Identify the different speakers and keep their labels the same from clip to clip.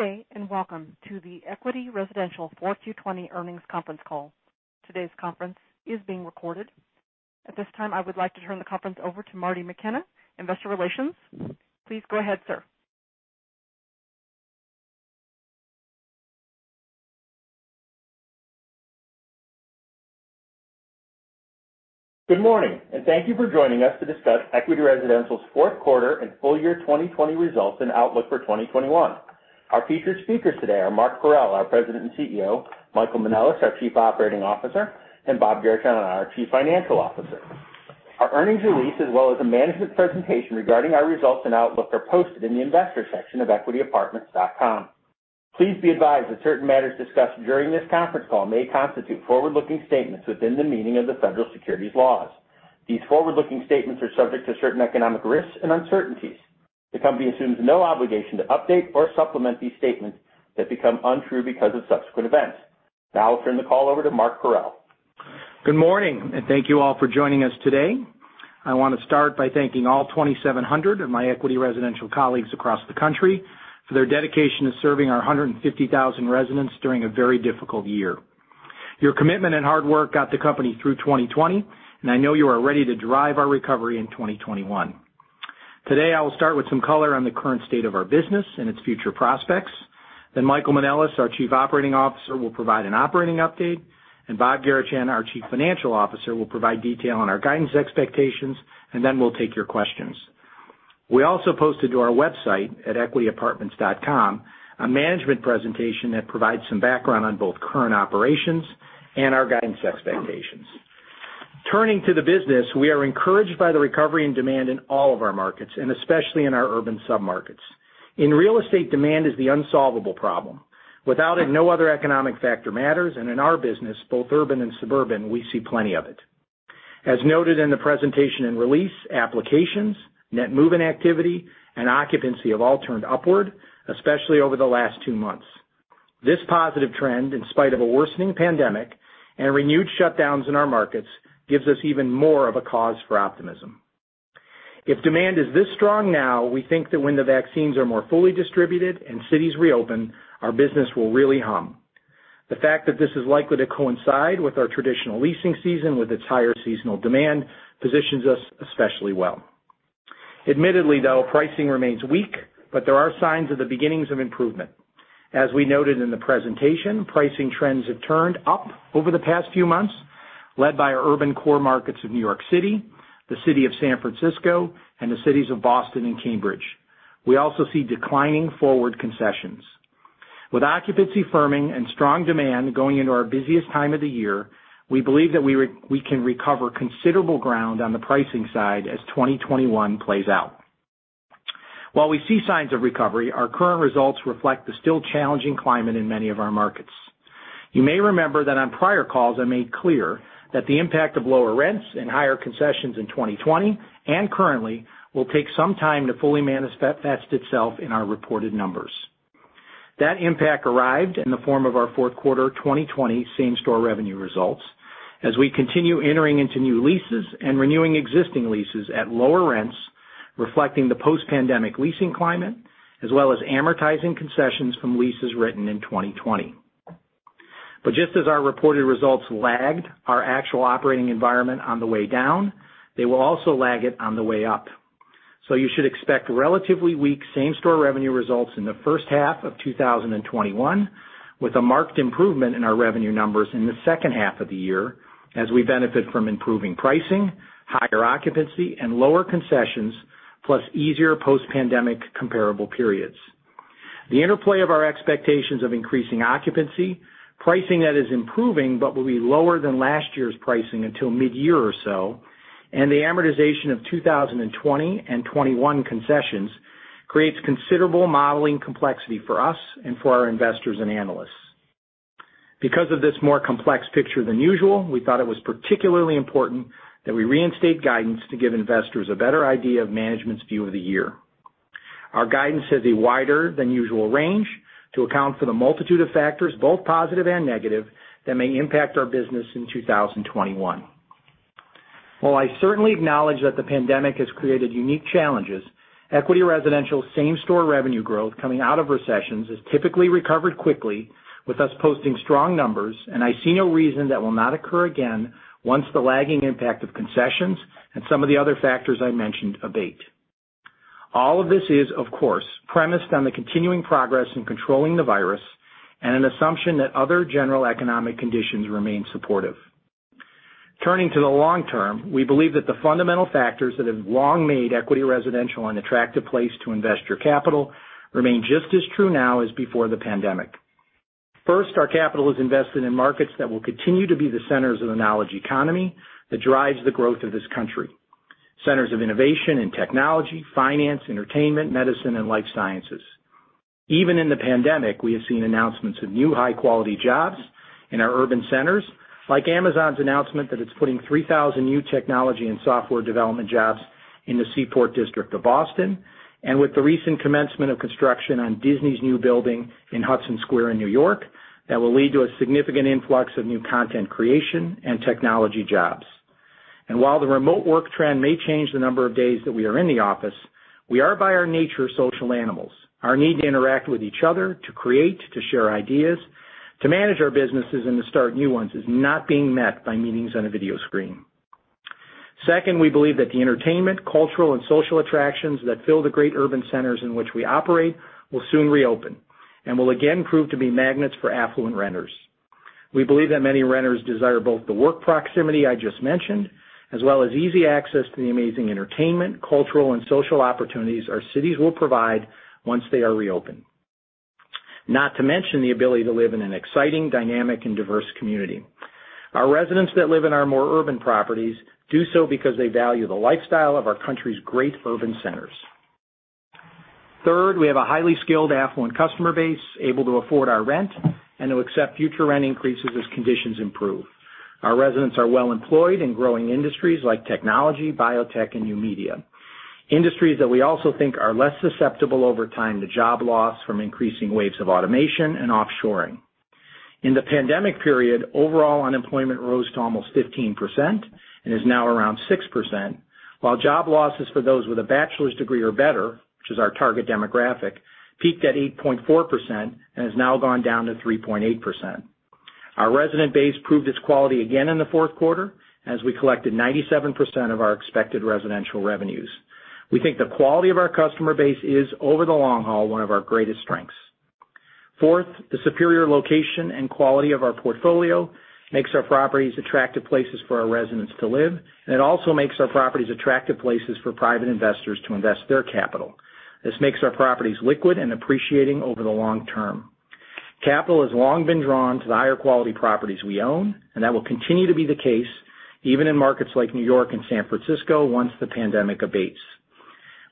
Speaker 1: Good day, and welcome to the Equity Residential 4Q 2020 earnings conference call. Today's conference is being recorded. At this time, I would like to turn the conference over to Marty McKenna, Investor Relations. Please go ahead, sir.
Speaker 2: Good morning, and thank you for joining us to discuss Equity Residential's fourth quarter and full year 2020 results and outlook for 2021. Our featured speakers today are Mark Parrell, our President and Chief Executive Officer, Michael Manelis, our Chief Operating Officer, and Robert Garechana, our Chief Financial Officer. Our earnings release, as well as a management presentation regarding our results and outlook are posted in the investor section of equityapartments.com. Please be advised that certain matters discussed during this conference call may constitute forward-looking statements within the meaning of the federal securities laws. These forward-looking statements are subject to certain economic risks and uncertainties. The company assumes no obligation to update or supplement these statements that become untrue because of subsequent events. Now I'll turn the call over to Mark Parrell.
Speaker 3: Good morning. Thank you all for joining us today. I want to start by thanking all 2,700 of my Equity Residential colleagues across the country for their dedication to serving our 150,000 residents during a very difficult year. Your commitment and hard work got the company through 2020, and I know you are ready to drive our recovery in 2021. Today, I will start with some color on the current state of our business and its future prospects. Michael Manelis, our Chief Operating Officer, will provide an operating update, and Robert Garechana, our Chief Financial Officer, will provide detail on our guidance expectations, and then we'll take your questions. We also posted to our website at equityapartments.com a management presentation that provides some background on both current operations and our guidance expectations. Turning to the business, we are encouraged by the recovery and demand in all of our markets, and especially in our urban sub-markets. In real estate, demand is the unsolvable problem. Without it, no other economic factor matters, and in our business, both urban and suburban, we see plenty of it. As noted in the presentation and release applications, net move-in activity and occupancy have all turned upward, especially over the last two months. This positive trend, in spite of a worsening pandemic and renewed shutdowns in our markets, gives us even more of a cause for optimism. If demand is this strong now, we think that when the vaccines are more fully distributed and cities reopen, our business will really hum. The fact that this is likely to coincide with our traditional leasing season, with its higher seasonal demand, positions us especially well. Admittedly, though, pricing remains weak, but there are signs of the beginnings of improvement. As we noted in the presentation, pricing trends have turned up over the past few months, led by our urban core markets of New York City, the city of San Francisco, and the cities of Boston and Cambridge. We also see declining forward concessions. With occupancy firming and strong demand going into our busiest time of the year, we believe that we can recover considerable ground on the pricing side as 2021 plays out. While we see signs of recovery, our current results reflect the still challenging climate in many of our markets. You may remember that on prior calls, I made clear that the impact of lower rents and higher concessions in 2020 and currently will take some time to fully manifest itself in our reported numbers. That impact arrived in the form of our Q4 2020 same-store revenue results as we continue entering into new leases and renewing existing leases at lower rents, reflecting the post-pandemic leasing climate, as well as amortizing concessions from leases written in 2020. Just as our reported results lagged our actual operating environment on the way down, they will also lag it on the way up. You should expect relatively weak same-store revenue results in the first half of 2021, with a marked improvement in our revenue numbers in the second half of the year as we benefit from improving pricing, higher occupancy, and lower concessions, plus easier post-pandemic comparable periods. The interplay of our expectations of increasing occupancy, pricing that is improving but will be lower than last year's pricing until midyear or so, and the amortization of 2020 and 2021 concessions creates considerable modeling complexity for us and for our investors and analysts. Because of this more complex picture than usual, we thought it was particularly important that we reinstate guidance to give investors a better idea of management's view of the year. Our guidance has a wider than usual range to account for the multitude of factors, both positive and negative, that may impact our business in 2021. While I certainly acknowledge that the pandemic has created unique challenges, Equity Residential same-store revenue growth coming out of recessions is typically recovered quickly with us posting strong numbers, and I see no reason that will not occur again once the lagging impact of concessions and some of the other factors I mentioned abate. All of this is, of course, premised on the continuing progress in controlling the virus and an assumption that other general economic conditions remain supportive. Turning to the long term, we believe that the fundamental factors that have long made Equity Residential an attractive place to invest your capital remain just as true now as before the pandemic. First, our capital is invested in markets that will continue to be the centers of the knowledge economy that drives the growth of this country. Centers of innovation and technology, finance, entertainment, medicine, and life sciences. Even in the pandemic, we have seen announcements of new high-quality jobs in our urban centers, like Amazon's announcement that it's putting 3,000 new technology and software development jobs in the Seaport District of Boston, and with the recent commencement of construction on Disney's new building in Hudson Square in New York, that will lead to a significant influx of new content creation and technology jobs. While the remote work trend may change the number of days that we are in the office, we are by our nature social animals. Our need to interact with each other, to create, to share ideas, to manage our businesses and to start new ones is not being met by meetings on a video screen. Second, we believe that the entertainment, cultural, and social attractions that fill the great urban centers in which we operate will soon reopen, and will again prove to be magnets for affluent renters. We believe that many renters desire both the work proximity I just mentioned, as well as easy access to the amazing entertainment, cultural, and social opportunities our cities will provide once they are reopened. Not to mention the ability to live in an exciting, dynamic, and diverse community. Our residents that live in our more urban properties do so because they value the lifestyle of our country's great urban centers. Third, we have a highly skilled, affluent customer base able to afford our rent and to accept future rent increases as conditions improve. Our residents are well-employed in growing industries like technology, biotech, and new media. Industries that we also think are less susceptible over time to job loss from increasing waves of automation and offshoring. In the pandemic period, overall unemployment rose to almost 15% and is now around 6%, while job losses for those with a bachelor's degree or better, which is our target demographic, peaked at 8.4% and has now gone down to 3.8%. Our resident base proved its quality again in the fourth quarter as we collected 97% of our expected residential revenues. We think the quality of our customer base is, over the long haul, one of our greatest strengths. Fourth, the superior location and quality of our portfolio makes our properties attractive places for our residents to live, and it also makes our properties attractive places for private investors to invest their capital. This makes our properties liquid and appreciating over the long term. Capital has long been drawn to the higher quality properties we own, and that will continue to be the case even in markets like New York and San Francisco once the pandemic abates.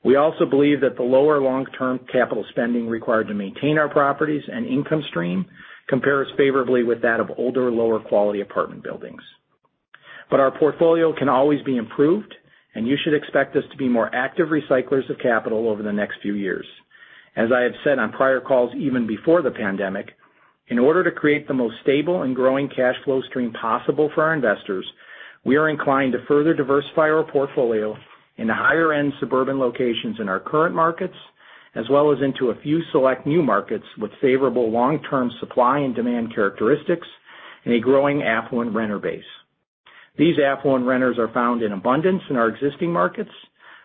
Speaker 3: We also believe that the lower long-term capital spending required to maintain our properties and income stream compares favorably with that of older, lower quality apartment buildings. Our portfolio can always be improved, and you should expect us to be more active recyclers of capital over the next few years. As I have said on prior calls even before the pandemic, in order to create the most stable and growing cash flow stream possible for our investors, we are inclined to further diversify our portfolio into higher end suburban locations in our current markets, as well as into a few select new markets with favorable long-term supply and demand characteristics and a growing affluent renter base. These affluent renters are found in abundance in our existing markets,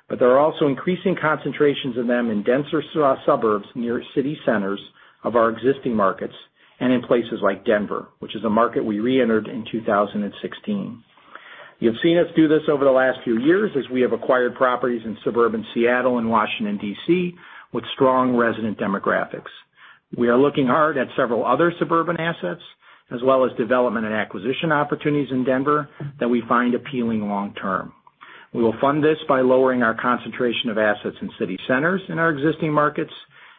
Speaker 3: but there are also increasing concentrations of them in denser suburbs near city centers of our existing markets and in places like Denver, which is a market we re-entered in 2016. You've seen us do this over the last few years as we have acquired properties in suburban Seattle and Washington, D.C., with strong resident demographics. We are looking hard at several other suburban assets, as well as development and acquisition opportunities in Denver that we find appealing long term. We will fund this by lowering our concentration of assets in city centers in our existing markets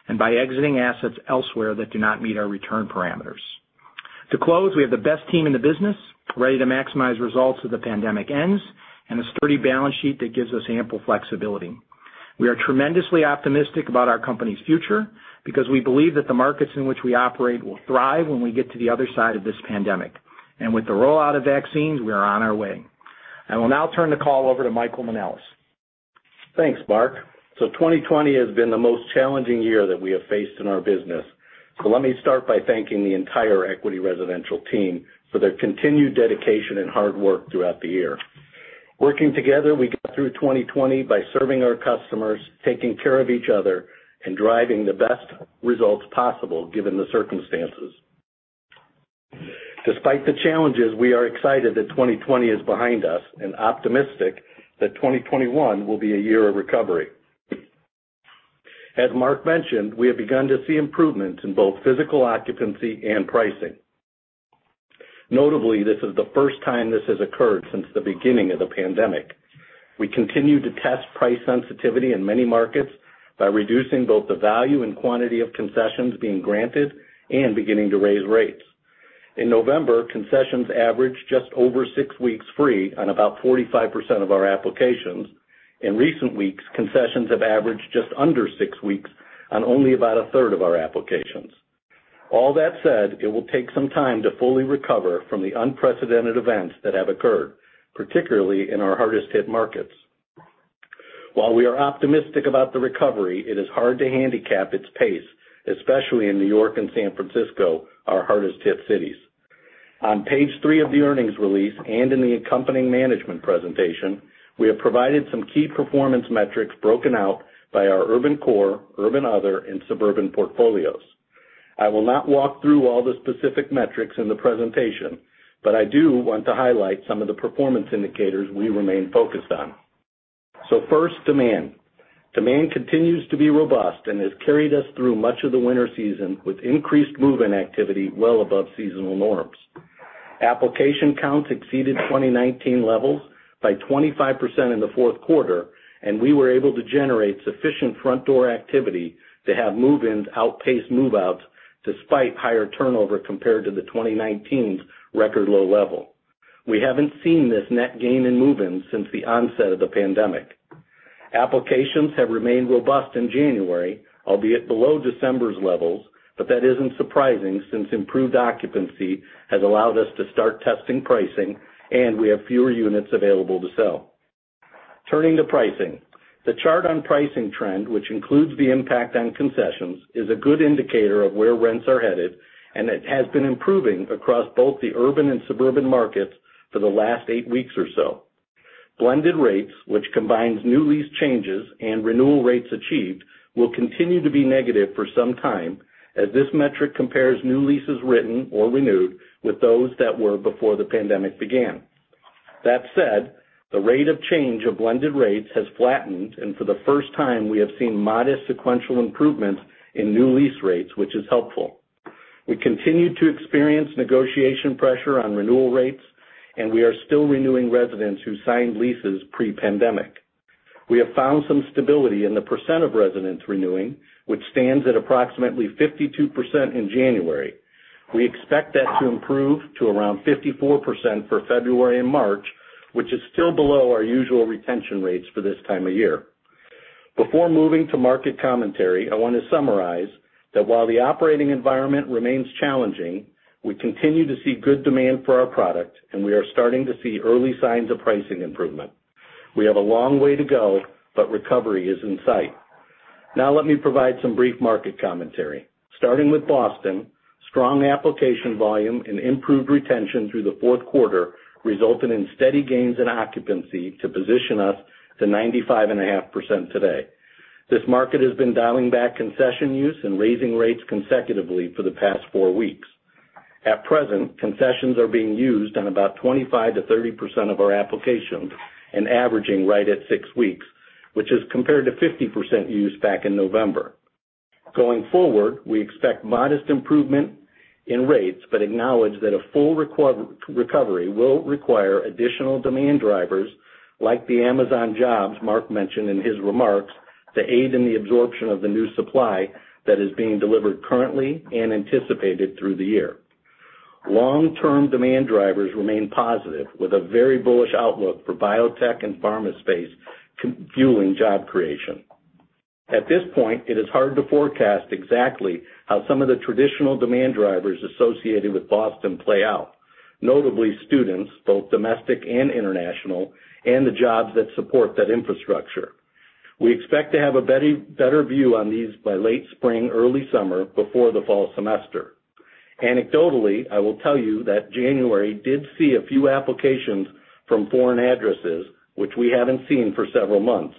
Speaker 3: and by exiting assets elsewhere that do not meet our return parameters. To close, we have the best team in the business ready to maximize results as the pandemic ends and a sturdy balance sheet that gives us ample flexibility. We are tremendously optimistic about our company's future because we believe that the markets in which we operate will thrive when we get to the other side of this pandemic. With the rollout of vaccines, we are on our way. I will now turn the call over to Michael Manelis.
Speaker 4: Thanks, Mark. 2020 has been the most challenging year that we have faced in our business. Let me start by thanking the entire Equity Residential team for their continued dedication and hard work throughout the year. Working together, we got through 2020 by serving our customers, taking care of each other, and driving the best results possible given the circumstances. Despite the challenges, we are excited that 2020 is behind us and optimistic that 2021 will be a year of recovery. As Mark mentioned, we have begun to see improvements in both physical occupancy and pricing. Notably, this is the first time this has occurred since the beginning of the pandemic. We continue to test price sensitivity in many markets by reducing both the value and quantity of concessions being granted and beginning to raise rates. In November, concessions averaged just over six weeks free on about 45% of our applications. In recent weeks, concessions have averaged just under six weeks on only about a third of our applications. All that said, it will take some time to fully recover from the unprecedented events that have occurred, particularly in our hardest hit markets. While we are optimistic about the recovery, it is hard to handicap its pace, especially in New York and San Francisco, our hardest hit cities. On page three of the earnings release and in the accompanying management presentation, we have provided some key performance metrics broken out by our urban core, urban other, and suburban portfolios. I will not walk through all the specific metrics in the presentation. I do want to highlight some of the performance indicators we remain focused on. First, demand. Demand continues to be robust and has carried us through much of the winter season with increased move-in activity well above seasonal norms. Application counts exceeded 2019 levels by 25% in the fourth quarter, and we were able to generate sufficient front door activity to have move-ins outpace move-outs despite higher turnover compared to the 2019 record low level. We haven't seen this net gain in move-ins since the onset of the pandemic. Applications have remained robust in January, albeit below December's levels, but that isn't surprising since improved occupancy has allowed us to start testing pricing and we have fewer units available to sell. Turning to pricing. The chart on pricing trend, which includes the impact on concessions, is a good indicator of where rents are headed, and it has been improving across both the urban and suburban markets for the last eight weeks or so. Blended rates, which combines new lease changes and renewal rates achieved, will continue to be negative for some time as this metric compares new leases written or renewed with those that were before the pandemic began. That said, the rate of change of Blended rates has flattened, and for the first time, we have seen modest sequential improvements in new lease rates, which is helpful. We continue to experience negotiation pressure on renewal rates, and we are still renewing residents who signed leases pre-pandemic. We have found some stability in the percent of residents renewing, which stands at approximately 52% in January. We expect that to improve to around 54% for February and March, which is still below our usual retention rates for this time of year. Before moving to market commentary, I want to summarize that while the operating environment remains challenging, we continue to see good demand for our product, and we are starting to see early signs of pricing improvement. We have a long way to go, but recovery is in sight. Now let me provide some brief market commentary. Starting with Boston, strong application volume and improved retention through the fourth quarter resulted in steady gains in occupancy to position us to 95.5% today. This market has been dialing back concession use and raising rates consecutively for the past four weeks. At present, concessions are being used on about 25%-30% of our applications and averaging right at six weeks, which is compared to 50% use back in November. Going forward, we expect modest improvement in rates but acknowledge that a full recovery will require additional demand drivers like the Amazon jobs Mark mentioned in his remarks to aid in the absorption of the new supply that is being delivered currently and anticipated through the year. Long-term demand drivers remain positive with a very bullish outlook for biotech and pharma space fueling job creation. At this point, it is hard to forecast exactly how some of the traditional demand drivers associated with Boston play out, notably students, both domestic and international, and the jobs that support that infrastructure. We expect to have a better view on these by late spring, early summer, before the fall semester. Anecdotally, I will tell you that January did see a few applications from foreign addresses, which we haven't seen for several months.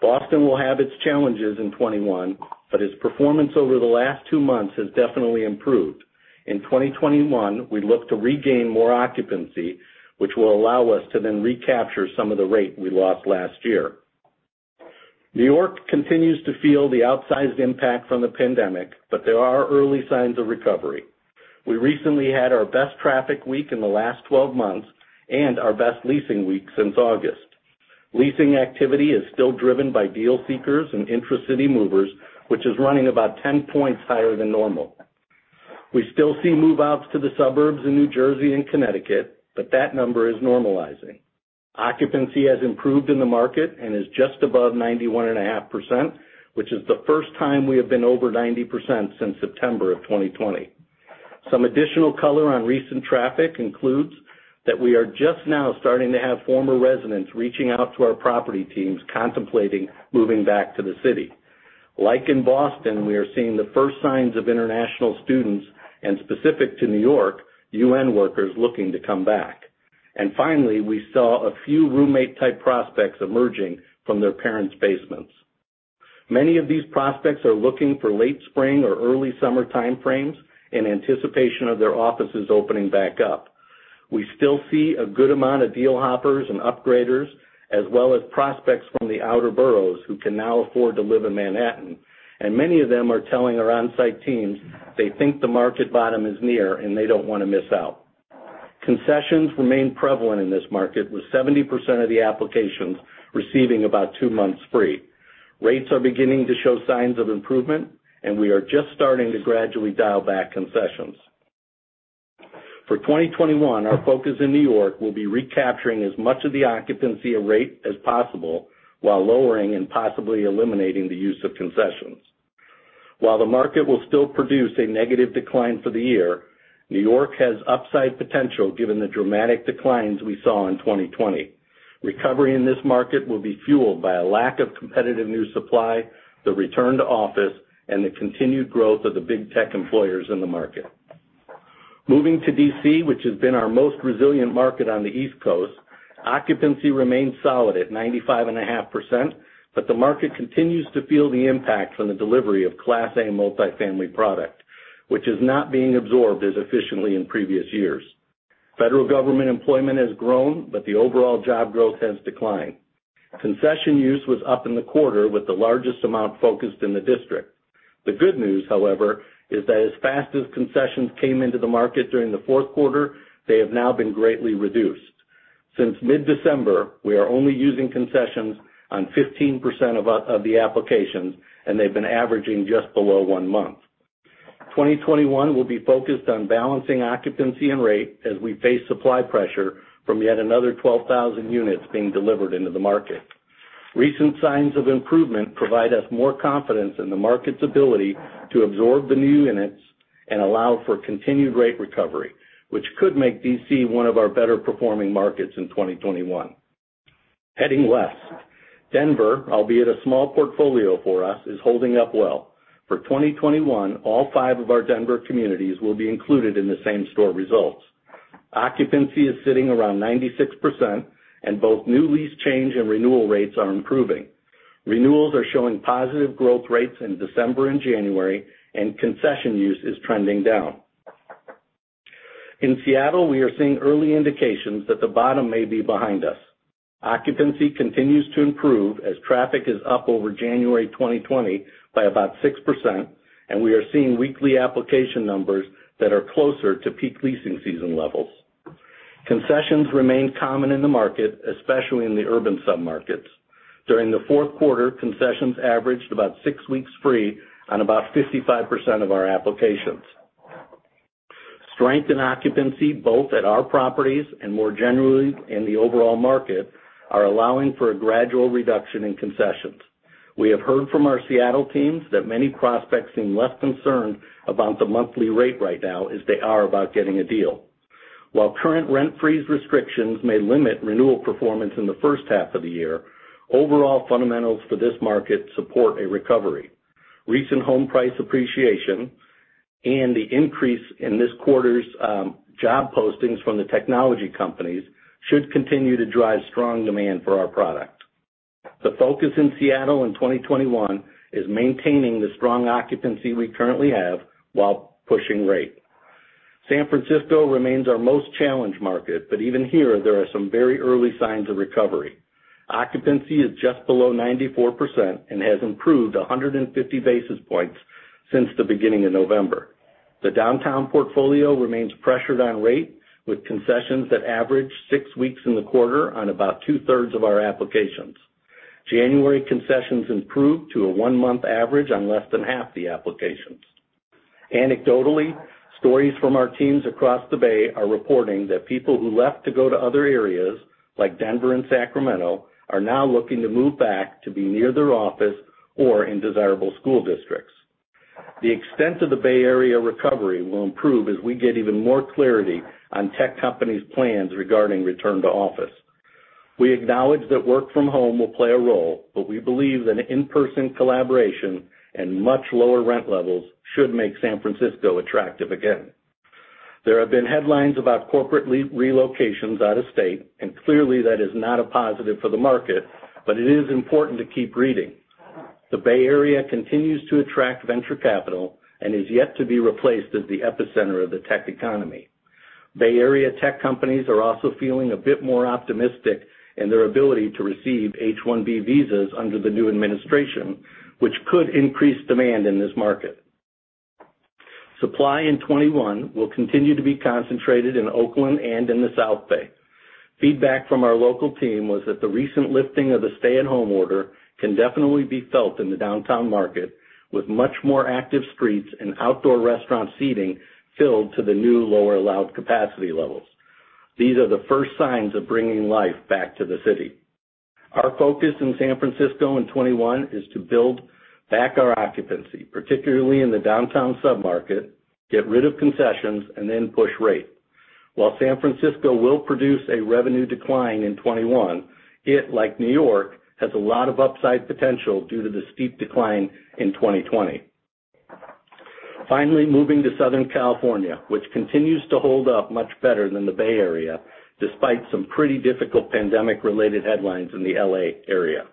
Speaker 4: Boston will have its challenges in 2021, but its performance over the last two months has definitely improved. In 2021, we look to regain more occupancy, which will allow us to then recapture some of the rate we lost last year. New York continues to feel the outsized impact from the pandemic, but there are early signs of recovery. We recently had our best traffic week in the last 12 months and our best leasing week since August. Leasing activity is still driven by deal seekers and intra-city movers, which is running about 10 points higher than normal. We still see move-outs to the suburbs in New Jersey and Connecticut, but that number is normalizing. Occupancy has improved in the market and is just above 91.5%, which is the first time we have been over 90% since September of 2020. Some additional color on recent traffic includes that we are just now starting to have former residents reaching out to our property teams contemplating moving back to the city. Like in Boston, we are seeing the first signs of international students, and specific to New York, UN workers looking to come back. Finally, we saw a few roommate-type prospects emerging from their parents' basements. Many of these prospects are looking for late spring or early summer time frames in anticipation of their offices opening back up. We still see a good amount of deal hoppers and upgraders, as well as prospects from the outer boroughs who can now afford to live in Manhattan, and many of them are telling our on-site teams they think the market bottom is near, and they don't want to miss out. Concessions remain prevalent in this market, with 70% of the applications receiving about two months free. Rates are beginning to show signs of improvement, and we are just starting to gradually dial back concessions. For 2021, our focus in New York will be recapturing as much of the occupancy rate as possible while lowering and possibly eliminating the use of concessions. While the market will still produce a negative decline for the year, New York has upside potential given the dramatic declines we saw in 2020. Recovery in this market will be fueled by a lack of competitive new supply, the return to office, and the continued growth of the big tech employers in the market. Moving to D.C., which has been our most resilient market on the East Coast, occupancy remains solid at 95.5%, but the market continues to feel the impact from the delivery of Class A multifamily product, which is not being absorbed as efficiently in previous years. Federal government employment has grown, but the overall job growth has declined. Concession use was up in the quarter with the largest amount focused in the district. The good news, however, is that as fast as concessions came into the market during the fourth quarter, they have now been greatly reduced. Since mid-December, we are only using concessions on 15% of the applications, and they've been averaging just below one month. 2021 will be focused on balancing occupancy and rate as we face supply pressure from yet another 12,000 units being delivered into the market. Recent signs of improvement provide us more confidence in the market's ability to absorb the new units and allow for continued rate recovery, which could make D.C. one of our better-performing markets in 2021. Heading west. Denver, albeit a small portfolio for us, is holding up well. For 2021, all five of our Denver communities will be included in the same-store results. Occupancy is sitting around 96%, and both new lease change and renewal rates are improving. Renewals are showing positive growth rates in December and January, and concession use is trending down. In Seattle, we are seeing early indications that the bottom may be behind us. Occupancy continues to improve as traffic is up over January 2020 by about 6%, and we are seeing weekly application numbers that are closer to peak leasing season levels. Concessions remain common in the market, especially in the urban submarkets. During the fourth quarter, concessions averaged about six weeks free on about 55% of our applications. Strength in occupancy, both at our properties and more generally in the overall market, are allowing for a gradual reduction in concessions. We have heard from our Seattle teams that many prospects seem less concerned about the monthly rate right now as they are about getting a deal. While current rent-freeze restrictions may limit renewal performance in the first half of the year, overall fundamentals for this market support a recovery. Recent home price appreciation and the increase in this quarter's job postings from the technology companies should continue to drive strong demand for our product. The focus in Seattle in 2021 is maintaining the strong occupancy we currently have while pushing rate. San Francisco remains our most challenged market, but even here, there are some very early signs of recovery. Occupancy is just below 94% and has improved 150 basis points since the beginning of November. The downtown portfolio remains pressured on rate, with concessions that average six weeks in the quarter on about two-thirds of our applications. January concessions improved to a one-month average on less than half the applications. Anecdotally, stories from our teams across the Bay are reporting that people who left to go to other areas like Denver and Sacramento are now looking to move back to be near their office or in desirable school districts. The extent of the Bay Area recovery will improve as we get even more clarity on tech companies' plans regarding return to office. We acknowledge that work from home will play a role, but we believe that in-person collaboration and much lower rent levels should make San Francisco attractive again. There have been headlines about corporate relocations out of state. Clearly that is not a positive for the market. It is important to keep reading. The Bay Area continues to attract venture capital and is yet to be replaced as the epicenter of the tech economy. Bay Area tech companies are also feeling a bit more optimistic in their ability to receive H-1B visas under the new administration, which could increase demand in this market. Supply in 2021 will continue to be concentrated in Oakland and in the South Bay. Feedback from our local team was that the recent lifting of the stay-at-home order can definitely be felt in the downtown market, with much more active streets and outdoor restaurant seating filled to the new lower allowed capacity levels. These are the first signs of bringing life back to the city. Our focus in San Francisco in 2021 is to build back our occupancy, particularly in the downtown submarket, get rid of concessions, and then push rate. While San Francisco will produce a revenue decline in 2021, it, like New York, has a lot of upside potential due to the steep decline in 2020. Moving to Southern California, which continues to hold up much better than the Bay Area, despite some pretty difficult pandemic-related headlines in the L.A. area.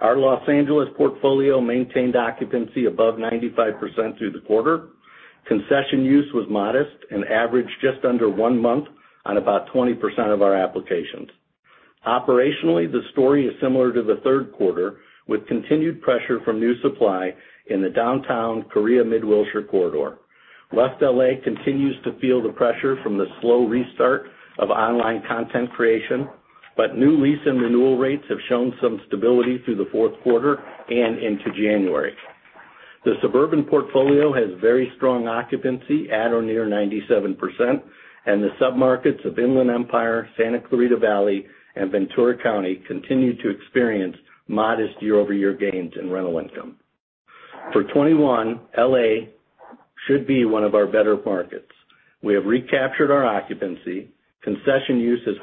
Speaker 4: Our Los Angeles portfolio maintained occupancy above 95% through the quarter. Concession use was modest and averaged just under one month on about 20% of our applications. Operationally, the story is similar to the third quarter, with continued pressure from new supply in the Downtown Koreatown Mid-Wilshire corridor. West L.A. continues to feel the pressure from the slow restart of online content creation, but new lease and renewal rates have shown some stability through the fourth quarter and into January. The suburban portfolio has very strong occupancy at or near 97%, and the submarkets of Inland Empire, Santa Clarita Valley, and Ventura County continue to experience modest year-over-year gains in rental income. For 2021, L.A. should be one of our better markets. We have recaptured our occupancy, concession use has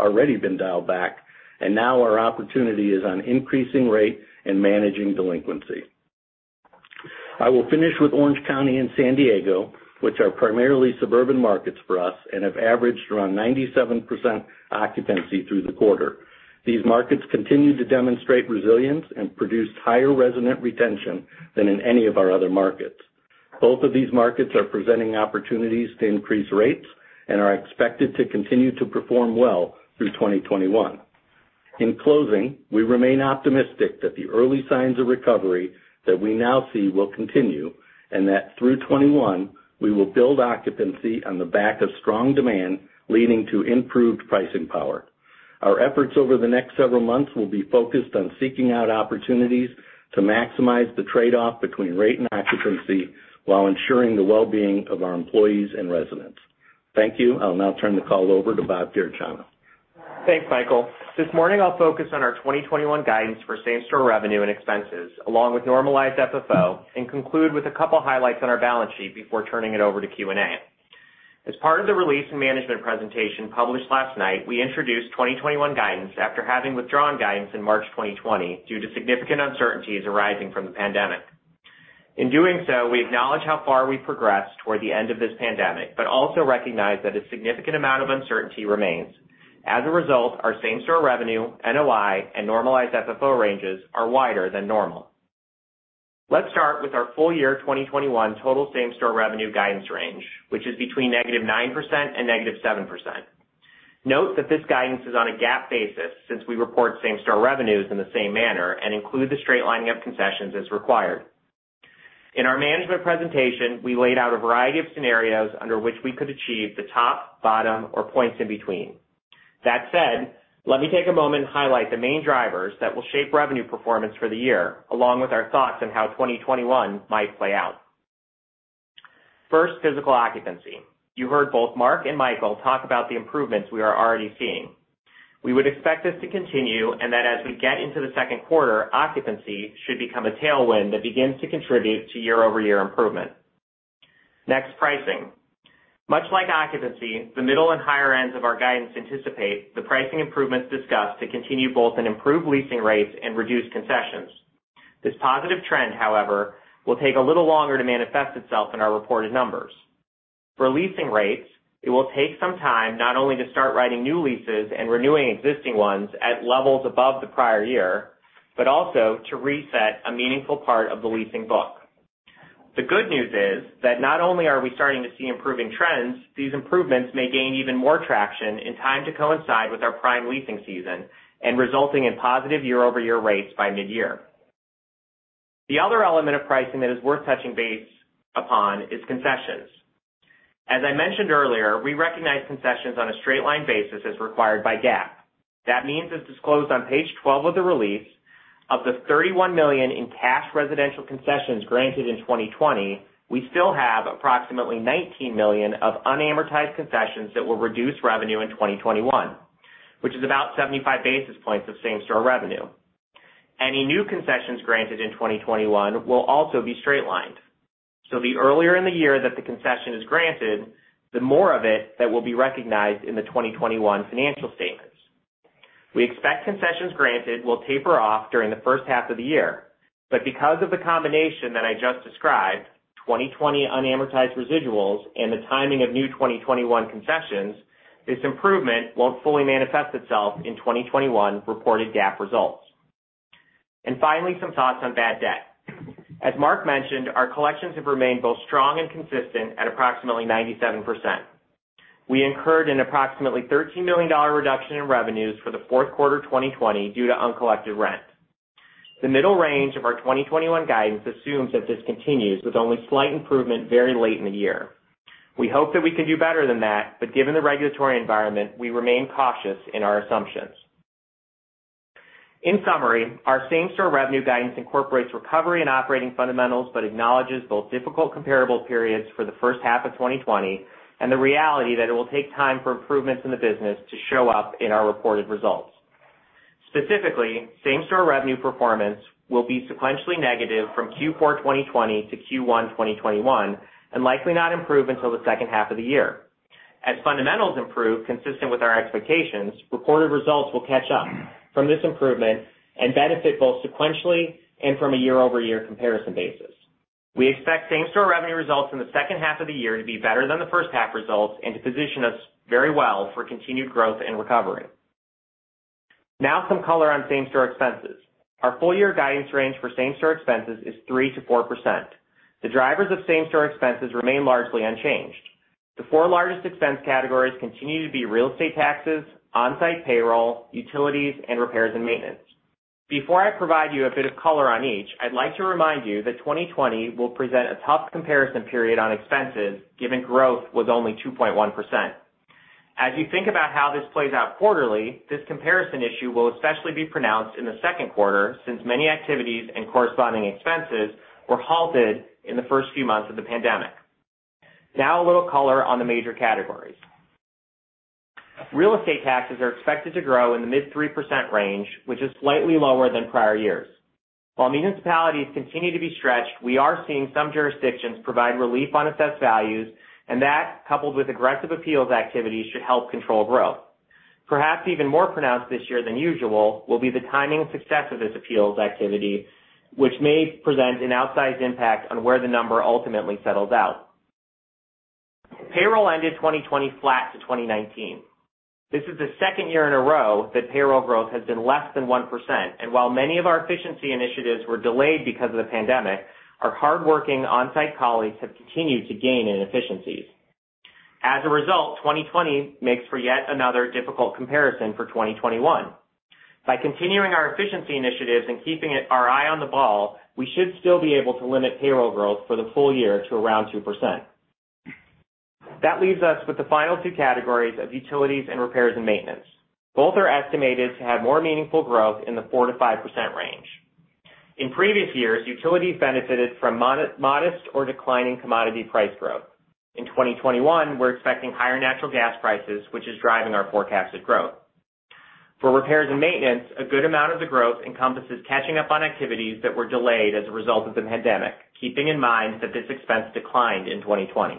Speaker 4: already been dialed back, and now our opportunity is on increasing rate and managing delinquency. I will finish with Orange County and San Diego, which are primarily suburban markets for us and have averaged around 97% occupancy through the quarter. These markets continue to demonstrate resilience and produced higher resident retention than in any of our other markets. Both of these markets are presenting opportunities to increase rates and are expected to continue to perform well through 2021. In closing, we remain optimistic that the early signs of recovery that we now see will continue and that through 2021, we will build occupancy on the back of strong demand, leading to improved pricing power. Our efforts over the next several months will be focused on seeking out opportunities to maximize the trade-off between rate and occupancy while ensuring the well-being of our employees and residents. Thank you. I'll now turn the call over to Robert Garechana.
Speaker 5: Thanks, Michael. This morning, I'll focus on our 2021 guidance for same-store revenue and expenses, along with normalized FFO, and conclude with a couple highlights on our balance sheet before turning it over to Q&A. As part of the release and management presentation published last night, we introduced 2021 guidance after having withdrawn guidance in March 2020 due to significant uncertainties arising from the pandemic. Also recognize that a significant amount of uncertainty remains. As a result, our same-store revenue, NOI, and normalized FFO ranges are wider than normal. Let's start with our full year 2021 total same-store revenue guidance range, which is between -9% and -7%. Note that this guidance is on a GAAP basis, since we report same-store revenues in the same manner and include the straight-lining of concessions as required. In our management presentation, we laid out a variety of scenarios under which we could achieve the top, bottom, or points in between. That said, let me take a moment and highlight the main drivers that will shape revenue performance for the year, along with our thoughts on how 2021 might play out. First, physical occupancy. You heard both Mark and Michael talk about the improvements we are already seeing. We would expect this to continue, and that as we get into the second quarter, occupancy should become a tailwind that begins to contribute to year-over-year improvement. Next, pricing. Much like occupancy, the middle and higher ends of our guidance anticipate the pricing improvements discussed to continue both in improved leasing rates and reduced concessions. This positive trend, however, will take a little longer to manifest itself in our reported numbers. For leasing rates, it will take some time not only to start writing new leases and renewing existing ones at levels above the prior year, but also to reset a meaningful part of the leasing book. The good news is that not only are we starting to see improving trends, these improvements may gain even more traction in time to coincide with our prime leasing season and resulting in positive year-over-year rates by mid-year. The other element of pricing that is worth touching base upon is concessions. As I mentioned earlier, we recognize concessions on a straight-line basis as required by GAAP. That means, as disclosed on page 12 of the release, of the $31 million in cash residential concessions granted in 2020, we still have approximately $19 million of unamortized concessions that will reduce revenue in 2021, which is about 75 basis points of same-store revenue. Any new concessions granted in 2021 will also be straight lined. The earlier in the year that the concession is granted, the more of it that will be recognized in the 2021 financial statements. We expect concessions granted will taper off during the first half of the year. Because of the combination that I just described, 2020 unamortized residuals and the timing of new 2021 concessions, this improvement won't fully manifest itself in 2021 reported GAAP results. Finally, some thoughts on bad debt. As Mark mentioned, our collections have remained both strong and consistent at approximately 97%. We incurred an approximately $13 million reduction in revenues for the fourth quarter 2020 due to uncollected rent. The middle range of our 2021 guidance assumes that this continues with only slight improvement very late in the year. We hope that we can do better than that, but given the regulatory environment, we remain cautious in our assumptions. In summary, our same-store revenue guidance incorporates recovery and operating fundamentals, but acknowledges both difficult comparable periods for the first half of 2020 and the reality that it will take time for improvements in the business to show up in our reported results. Specifically, same-store revenue performance will be sequentially negative from Q4 2020 to Q1 2021 and likely not improve until the second half of the year. As fundamentals improve consistent with our expectations, reported results will catch up from this improvement and benefit both sequentially and from a year-over-year comparison basis. We expect same-store revenue results in the second half of the year to be better than the first half results and to position us very well for continued growth and recovery. Now, some color on same-store expenses. Our full year guidance range for same-store expenses is 3%-4%. The drivers of same-store expenses remain largely unchanged. The four largest expense categories continue to be real estate taxes, on-site payroll, utilities, and repairs and maintenance. Before I provide you a bit of color on each, I'd like to remind you that 2020 will present a tough comparison period on expenses, given growth was only 2.1%. As you think about how this plays out quarterly, this comparison issue will especially be pronounced in the second quarter, since many activities and corresponding expenses were halted in the first few months of the pandemic. A little color on the major categories. Real estate taxes are expected to grow in the mid 3% range, which is slightly lower than prior years. While municipalities continue to be stretched, we are seeing some jurisdictions provide relief on assessed values, and that, coupled with aggressive appeals activities, should help control growth. Perhaps even more pronounced this year than usual will be the timing and success of this appeals activity, which may present an outsized impact on where the number ultimately settles out. Payroll ended 2020 flat to 2019. This is the second year in a row that payroll growth has been less than 1%. While many of our efficiency initiatives were delayed because of the pandemic, our hardworking on-site colleagues have continued to gain in efficiencies. As a result, 2020 makes for yet another difficult comparison for 2021. By continuing our efficiency initiatives and keeping our eye on the ball, we should still be able to limit payroll growth for the full year to around 2%. That leaves us with the final two categories of utilities and repairs and maintenance. Both are estimated to have more meaningful growth in the 4%-5% range. In previous years, utilities benefited from modest or declining commodity price growth. In 2021, we're expecting higher natural gas prices, which is driving our forecasted growth. For repairs and maintenance, a good amount of the growth encompasses catching up on activities that were delayed as a result of the pandemic, keeping in mind that this expense declined in 2020.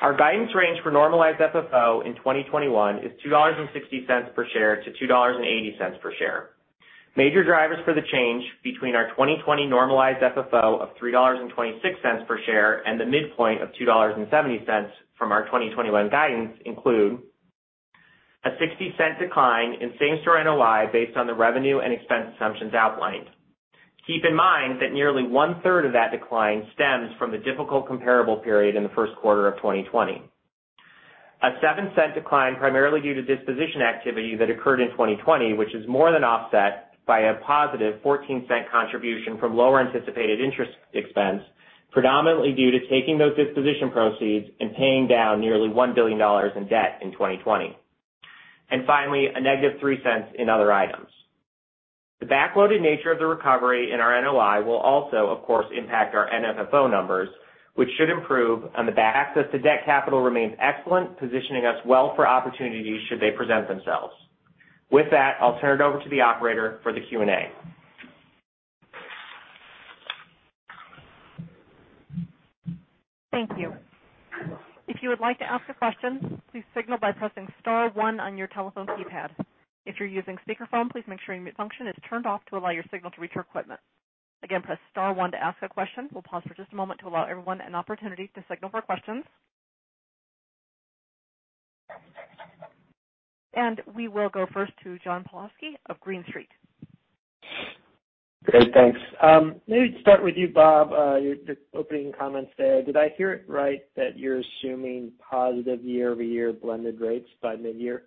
Speaker 5: Our guidance range for normalized FFO in 2021 is $2.60 per share-$2.80 per share. Major drivers for the change between our 2020 normalized FFO of $3.26 per share and the midpoint of $2.70 from our 2021 guidance include a $0.60 decline in same-store NOI based on the revenue and expense assumptions outlined. Keep in mind that nearly one-third of that decline stems from the difficult comparable period in the first quarter of 2020. A $0.07 decline primarily due to disposition activity that occurred in 2020, which is more than offset by a positive $0.14 contribution from lower anticipated interest expense, predominantly due to taking those disposition proceeds and paying down nearly $1 billion in debt in 2020. Finally, a negative $0.03 in other items. The backloaded nature of the recovery in our NOI will also, of course, impact our FFO numbers, which should improve on the back as the debt capital remains excellent, positioning us well for opportunities should they present themselves. With that, I'll turn it over to the operator for the Q&A.
Speaker 1: Thank you. If you would like to ask a question, please signal by pressing star one on your telephone keypad. If you're using speakerphone, please make sure your mute function is turned off to allow your signal to reach our equipment. Again, press star one to ask a question. We will pause for just a moment to allow everyone an opportunity to signal for questions. We will go first to John Pawlowski of Green Street.
Speaker 6: Great. Thanks. To start with you, Bob, your opening comments there, did I hear it right that you're assuming positive year-over-year blended rates by mid-year?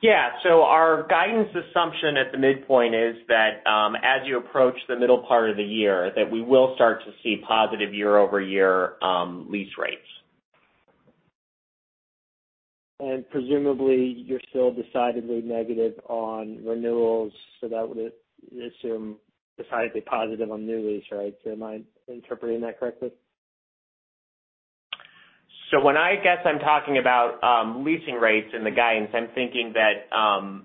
Speaker 5: Yeah. Our guidance assumption at the midpoint is that, as you approach the middle part of the year, that we will start to see positive year-over-year lease rates.
Speaker 6: Presumably, you're still decidedly negative on renewals, so that would assume decidedly positive on new lease, right? Am I interpreting that correctly?
Speaker 5: When, I guess I'm talking about leasing rates in the guidance, I'm thinking that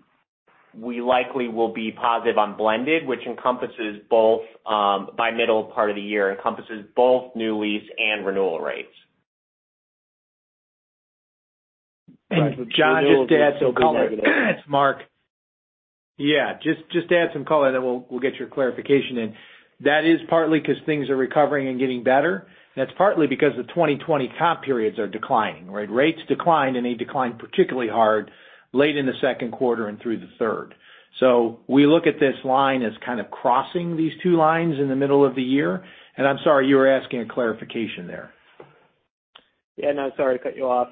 Speaker 5: we likely will be positive on blended, which encompasses both new lease and renewal rates.
Speaker 6: Right. Renewals will still be negative.
Speaker 3: John, just to add some color. It's Mark. Yeah. Just to add some color, we'll get your clarification in. That is partly because things are recovering and getting better. That's partly because the 2020 comp periods are declining, right? Rates declined, they declined particularly hard late in the second quarter and through the third. We look at this line as kind of crossing these two lines in the middle of the year. I'm sorry, you were asking a clarification there.
Speaker 6: Yeah, no, sorry to cut you off.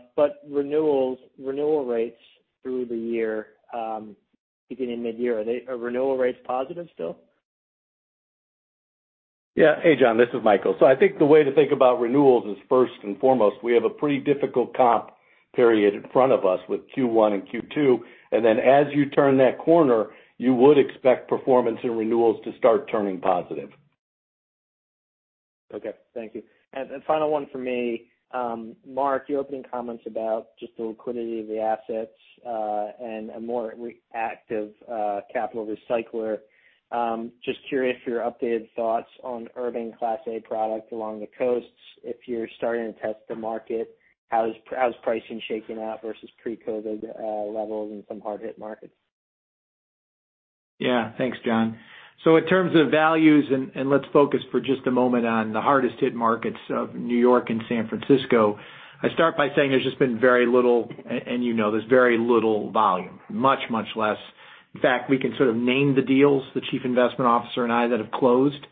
Speaker 6: Renewal rates through the year, beginning of mid-year, are renewal rates positive still?
Speaker 4: Yeah. Hey, John, this is Michael. I think the way to think about renewals is, first and foremost, we have a pretty difficult comp period in front of us with Q1 and Q2. Then as you turn that corner, you would expect performance and renewals to start turning positive.
Speaker 6: Okay. Thank you. Final one for me. Mark, your opening comments about just the liquidity of the assets, and a more active capital recycler. Just curious your updated thoughts on urban Class A product along the coasts. If you're starting to test the market, how's pricing shaking out versus pre-COVID levels in some hard-hit markets?
Speaker 3: Thanks, John. In terms of values, let's focus for just a moment on the hardest hit markets of New York and San Francisco. I start by saying there's just been very little, and you know this, very little volume. Much, much less. In fact, we can sort of name the deals, the chief investment officer and I, that have closed.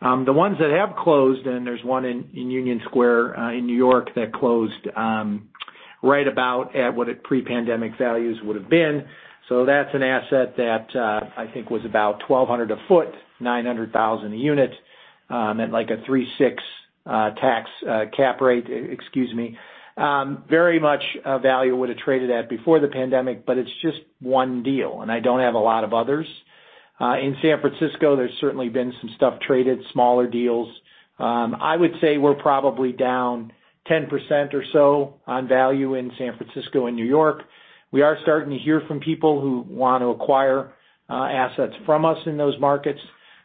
Speaker 3: The ones that have closed, there's one in Union Square in New York that closed right about at what pre-pandemic values would've been. That's an asset that, I think was about $1,200 a foot, $900,000 a unit, at like a 3.6% tax cap rate. Excuse me. Very much a value would've traded at before the pandemic, it's just one deal, I don't have a lot of others. In San Francisco, there's certainly been some stuff traded, smaller deals. I would say we're probably down 10% or so on value in San Francisco and New York. We are starting to hear from people who want to acquire assets from us in those markets.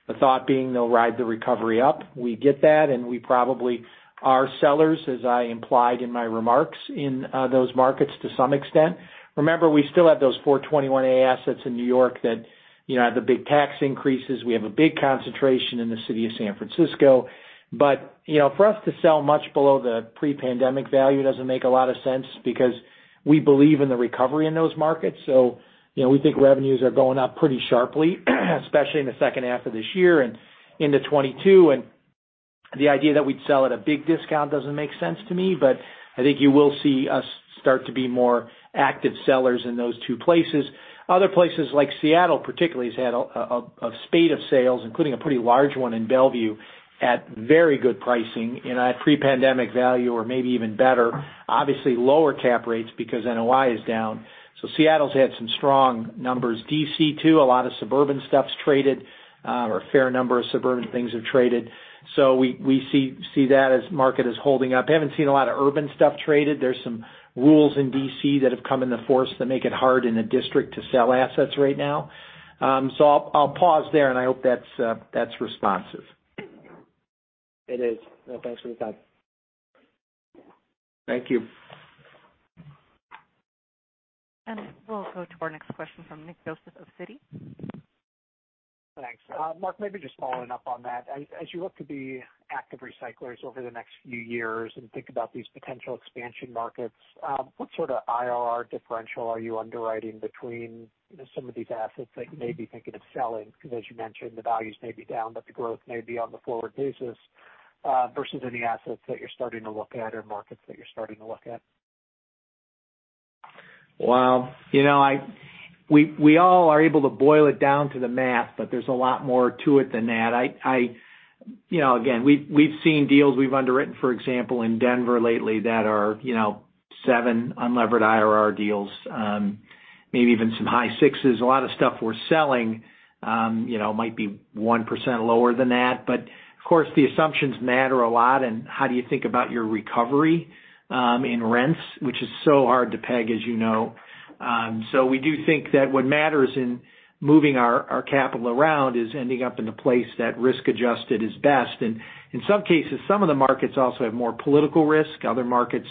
Speaker 3: The thought being they'll ride the recovery up. We get that. We probably are sellers, as I implied in my remarks, in those markets to some extent. Remember, we still have those 421-a assets in New York that have the big tax increases. We have a big concentration in the city of San Francisco. For us to sell much below the pre-pandemic value doesn't make a lot of sense because we believe in the recovery in those markets. We think revenues are going up pretty sharply, especially in the second half of this year and into 2022. The idea that we'd sell at a big discount doesn't make sense to me, but I think you will see us start to be more active sellers in those two places. Other places like Seattle particularly, has had a spate of sales, including a pretty large one in Bellevue at very good pricing and at pre-pandemic value or maybe even better. Obviously lower cap rates because NOI is down. Seattle's had some strong numbers. D.C. too, a lot of suburban stuff's traded, or a fair number of suburban things have traded. We see that as market is holding up. Haven't seen a lot of urban stuff traded. There's some rules in D.C. that have come into force that make it hard in the district to sell assets right now. I'll pause there and I hope that's responsive.
Speaker 6: It is. Thanks for the time.
Speaker 3: Thank you.
Speaker 1: We'll go to our next question from Nick Joseph of Citi.
Speaker 7: Thanks. Mark, maybe just following up on that. As you look to be active recyclers over the next few years and think about these potential expansion markets, what sort of IRR differential are you underwriting between some of these assets that you may be thinking of selling? As you mentioned, the values may be down, but the growth may be on the forward basis, versus any assets that you're starting to look at or markets that you're starting to look at.
Speaker 3: Well, we all are able to boil it down to the math, there's a lot more to it than that. Again, we've seen deals we've underwritten, for example, in Denver lately that are seven unlevered IRR deals, maybe even some high sixes. A lot of stuff we're selling might be 1% lower than that. Of course, the assumptions matter a lot and how do you think about your recovery in rents, which is so hard to peg, as you know. We do think that what matters in moving our capital around is ending up in the place that risk-adjusted is best. In some cases, some of the markets also have more political risk. Other markets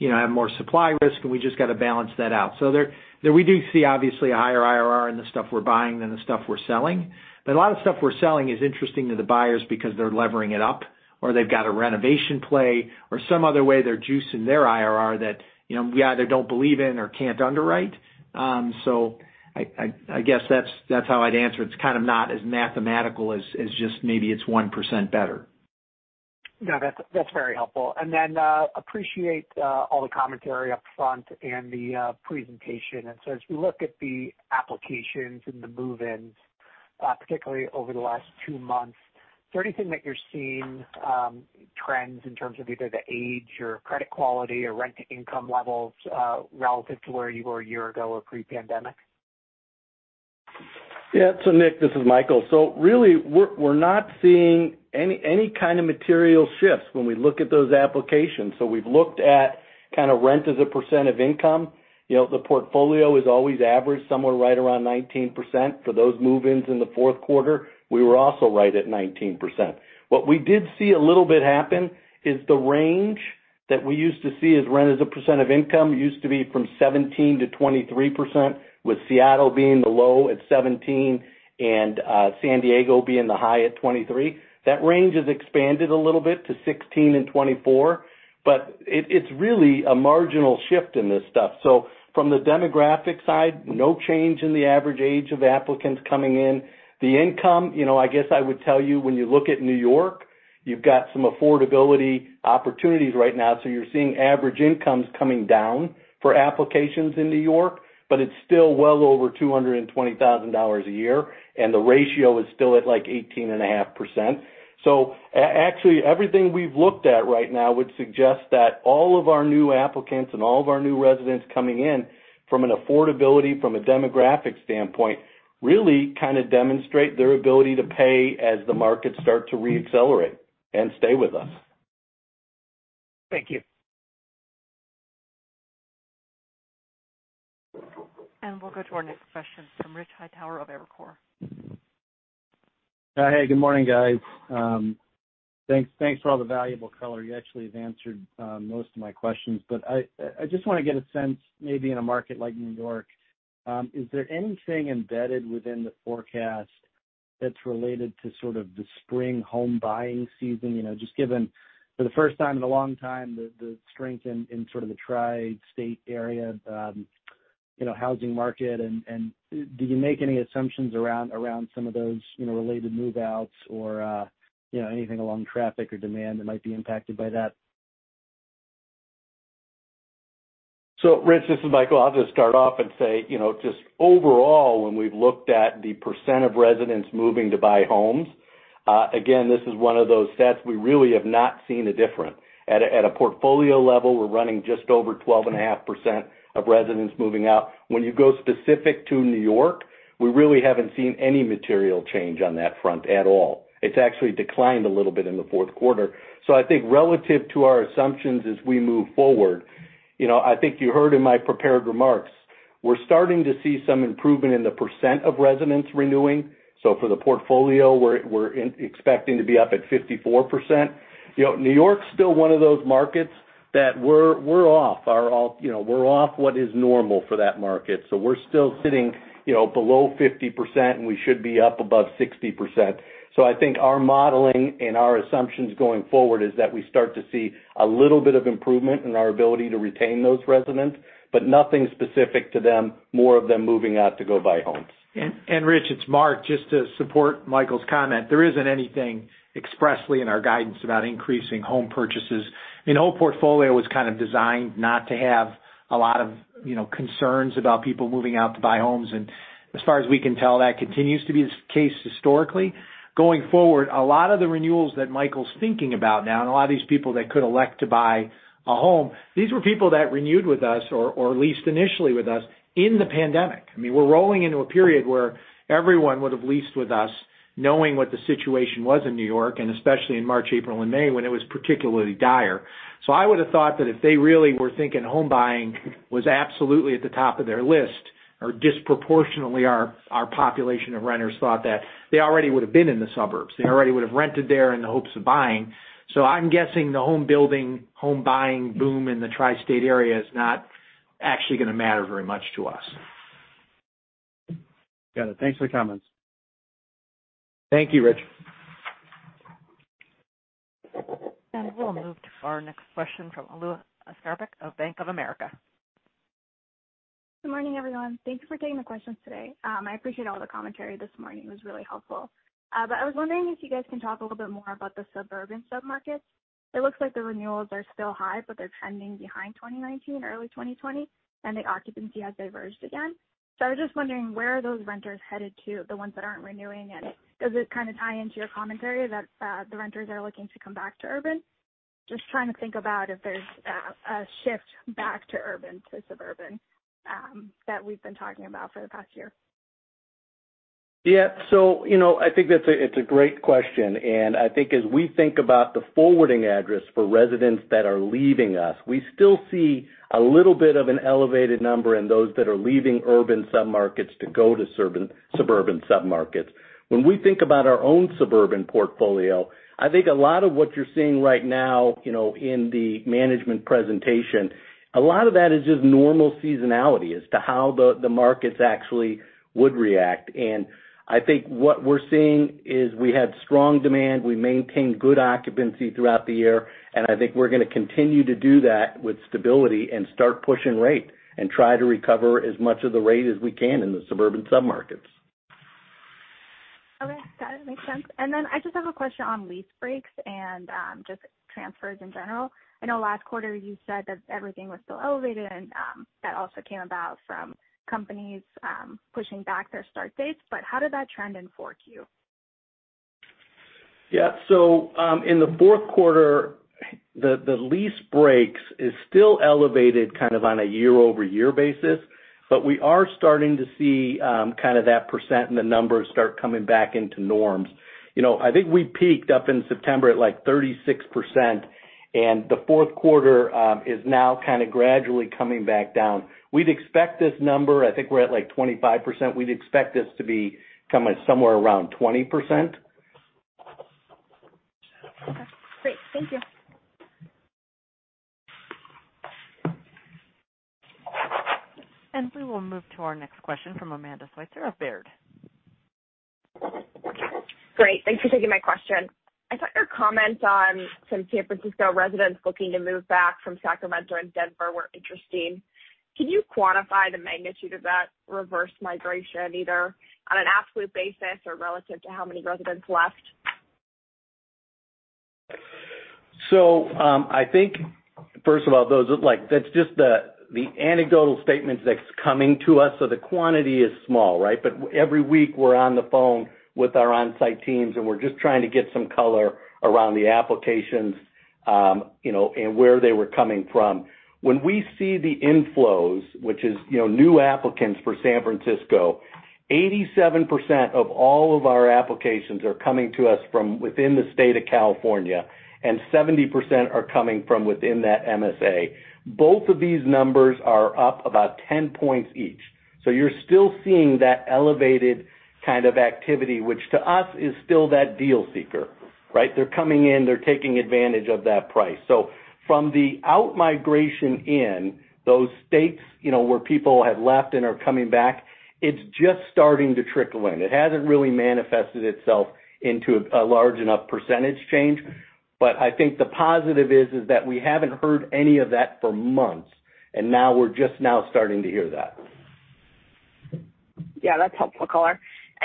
Speaker 3: have more supply risk, we just got to balance that out. We do see obviously a higher IRR in the stuff we're buying than the stuff we're selling. A lot of stuff we're selling is interesting to the buyers because they're levering it up, or they've got a renovation play or some other way they're juicing their IRR that we either don't believe in or can't underwrite. I guess that's how I'd answer. It's kind of not as mathematical as just maybe it's 1% better.
Speaker 7: No, that's very helpful. Appreciate all the commentary up front and the presentation. As we look at the applications and the move-ins, particularly over the last two months, is there anything that you're seeing, trends in terms of either the age or credit quality or rent-to-income levels relative to where you were a year ago or pre-pandemic?
Speaker 4: Yeah. Nick, this is Michael. Really, we're not seeing any kind of material shifts when we look at those applications. We've looked at kind of rent as a percent of income. The portfolio has always averaged somewhere right around 19%. For those move-ins in the fourth quarter, we were also right at 19%. What we did see a little bit happen is the range that we used to see as rent as a percent of income used to be 17%-23%, with Seattle being the low at 17% and San Diego being the high at 23%. That range has expanded a little bit to 16%-24%, but it's really a marginal shift in this stuff. From the demographic side, no change in the average age of applicants coming in. The income, I guess I would tell you, when you look at New York, you've got some affordability opportunities right now. You're seeing average incomes coming down for applications in New York, but it's still well over $220,000 a year, and the ratio is still at like 18.5%. Actually, everything we've looked at right now would suggest that all of our new applicants and all of our new residents coming in from an affordability, from a demographic standpoint, really kind of demonstrate their ability to pay as the markets start to re-accelerate and stay with us.
Speaker 7: Thank you.
Speaker 1: We'll go to our next question from Rich Hightower of Evercore.
Speaker 8: Hey, good morning, guys. Thanks for all the valuable color. You actually have answered most of my questions. I just want to get a sense, maybe in a market like New York, is there anything embedded within the forecast that's related to sort of the spring home buying season? Just given for the first time in a long time, the strength in sort of the tri-state area housing market, do you make any assumptions around some of those related move-outs or anything along traffic or demand that might be impacted by that?
Speaker 4: Rich, this is Michael. I'll just start off and say, just overall, when we've looked at the percent of residents moving to buy homes, again, this is one of those stats we really have not seen a difference. At a portfolio level, we're running just over 12.5% of residents moving out. When you go specific to New York, we really haven't seen any material change on that front at all. It's actually declined a little bit in the fourth quarter. I think relative to our assumptions as we move forward, I think you heard in my prepared remarks. We're starting to see some improvement in the % of residents renewing. For the portfolio, we're expecting to be up at 54%. New York's still one of those markets that we're off what is normal for that market. We're still sitting below 50%, and we should be up above 60%. I think our modeling and our assumptions going forward is that we start to see a little bit of improvement in our ability to retain those residents, but nothing specific to them, more of them moving out to go buy homes.
Speaker 3: Rich, it's Mark. Just to support Michael's comment, there isn't anything expressly in our guidance about increasing home purchases. Our whole portfolio was kind of designed not to have a lot of concerns about people moving out to buy homes. As far as we can tell, that continues to be the case historically. Going forward, a lot of the renewals that Michael's thinking about now, and a lot of these people that could elect to buy a home, these were people that renewed with us, or leased initially with us in the pandemic. I mean, we're rolling into a period where everyone would've leased with us knowing what the situation was in New York, and especially in March, April, and May when it was particularly dire. I would've thought that if they really were thinking home buying was absolutely at the top of their list, or disproportionately our population of renters thought that, they already would've been in the suburbs. They already would've rented there in the hopes of buying. I'm guessing the home-building, home-buying boom in the tri-state area is not actually going to matter very much to us.
Speaker 8: Got it. Thanks for the comments.
Speaker 4: Thank you, Rich.
Speaker 1: We'll move to our next question from Alua Askarbek of Bank of America.
Speaker 9: Good morning, everyone. Thank you for taking the questions today. I appreciate all the commentary this morning. It was really helpful. I was wondering if you guys can talk a little bit more about the suburban submarkets. It looks like the renewals are still high, but they're trending behind 2019, early 2020, and the occupancy has diverged again. I was just wondering where are those renters headed to, the ones that aren't renewing, and does it kind of tie into your commentary that the renters are looking to come back to urban? Just trying to think about if there's a shift back to urban to suburban that we've been talking about for the past year.
Speaker 4: Yeah. I think it's a great question, and I think as we think about the forwarding address for residents that are leaving us, we still see a little bit of an elevated number in those that are leaving urban submarkets to go to suburban submarkets. When we think about our own suburban portfolio, I think a lot of what you're seeing right now in the management presentation, a lot of that is just normal seasonality as to how the markets actually would react. I think what we're seeing is we had strong demand. We maintained good occupancy throughout the year, and I think we're going to continue to do that with stability and start pushing rate and try to recover as much of the rate as we can in the suburban submarkets.
Speaker 9: Okay. Got it. Makes sense. I just have a question on lease breaks and just transfers in general. I know last quarter you said that everything was still elevated and that also came about from companies pushing back their start dates. How did that trend in Q4 2020?
Speaker 4: In the fourth quarter, the lease breaks is still elevated kind of on a year-over-year basis, we are starting to see kind of that percent and the numbers start coming back into norms. I think we peaked up in September at like 36%. The fourth quarter is now kind of gradually coming back down. We'd expect this number, I think we're at like 25%, we'd expect this to be coming somewhere around 20%.
Speaker 9: Okay, great. Thank you.
Speaker 1: We will move to our next question from Amanda Sweitzer of Baird.
Speaker 10: Great. Thanks for taking my question. I thought your comment on some San Francisco residents looking to move back from Sacramento and Denver were interesting. Can you quantify the magnitude of that reverse migration, either on an absolute basis or relative to how many residents left?
Speaker 4: I think, first of all, that's just the anecdotal statements that's coming to us. The quantity is small, right? Every week we're on the phone with our onsite teams, and we're just trying to get some color around the applications, and where they were coming from. When we see the inflows, which is new applicants for San Francisco, 87% of all of our applications are coming to us from within the state of California, and 70% are coming from within that MSA. Both of these numbers are up about 10 points each. You're still seeing that elevated kind of activity, which to us is still that deal seeker, right? They're coming in, they're taking advantage of that price. From the out-migration in, those states where people have left and are coming back, it's just starting to trickle in. It hasn't really manifested itself into a large enough % change. I think the positive is that we haven't heard any of that for months, and now we're just now starting to hear that.
Speaker 10: Yeah, that's helpful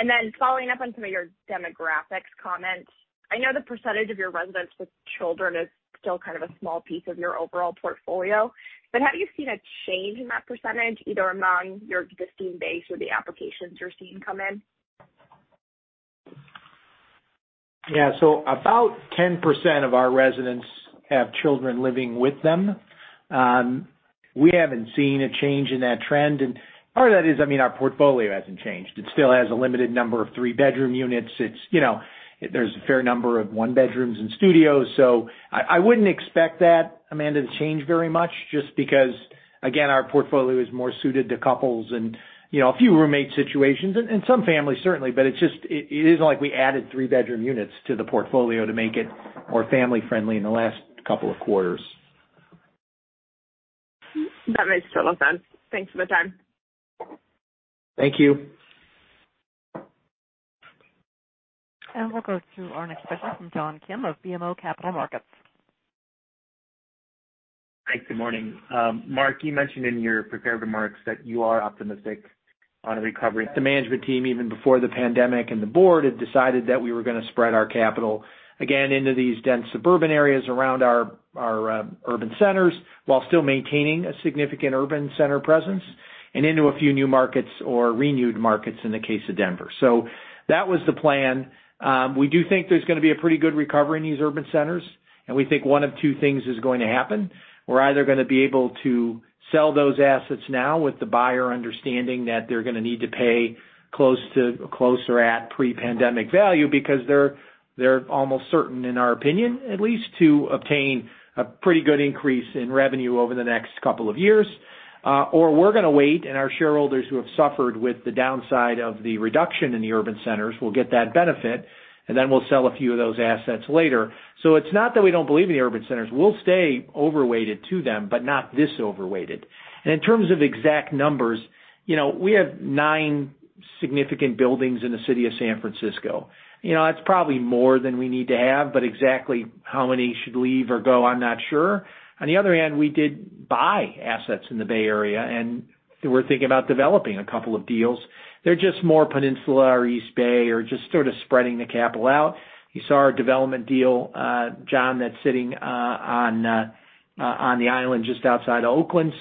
Speaker 10: color. Following up on some of your demographics comments, I know the percentage of your residents with children is still kind of a small piece of your overall portfolio. Have you seen a change in that percentage, either among your existing base or the applications you're seeing come in?
Speaker 4: Yeah. About 10% of our residents have children living with them. We haven't seen a change in that trend, part of that is, I mean, our portfolio hasn't changed. It still has a limited number of three-bedroom units. There's a fair number of one bedrooms and studios. I wouldn't expect that, Amanda, to change very much just because. Again, our portfolio is more suited to couples and a few roommate situations and some families certainly, but it isn't like we added three-bedroom units to the portfolio to make it more family-friendly in the last couple of quarters.
Speaker 10: That makes total sense. Thanks for the time.
Speaker 3: Thank you.
Speaker 1: We'll go to our next question from John Kim of BMO Capital Markets.
Speaker 11: Thanks. Good morning. Mark, you mentioned in your prepared remarks that you are optimistic on a recovery-
Speaker 3: The management team, even before the pandemic, and the board had decided that we were going to spread our capital again into these dense suburban areas around our urban centers while still maintaining a significant urban center presence and into a few new markets or renewed markets in the case of Denver. That was the plan. We do think there's going to be a pretty good recovery in these urban centers, and we think one of two things is going to happen. We're either going to be able to sell those assets now with the buyer understanding that they're going to need to pay close to, or close or at pre-pandemic value because they're almost certain, in our opinion at least, to obtain a pretty good increase in revenue over the next couple of years. We're going to wait, and our shareholders who have suffered with the downside of the reduction in the urban centers will get that benefit, and then we'll sell a few of those assets later. It's not that we don't believe in the urban centers. We'll stay overweighted to them, but not this overweighted. In terms of exact numbers, we have nine significant buildings in the city of San Francisco. It's probably more than we need to have, but exactly how many should leave or go, I'm not sure. On the other hand, we did buy assets in the Bay Area, and we're thinking about developing a couple of deals. They're just more Peninsula or East Bay or just sort of spreading the capital out. You saw our development deal, John, that's sitting on the island just outside of Oakland.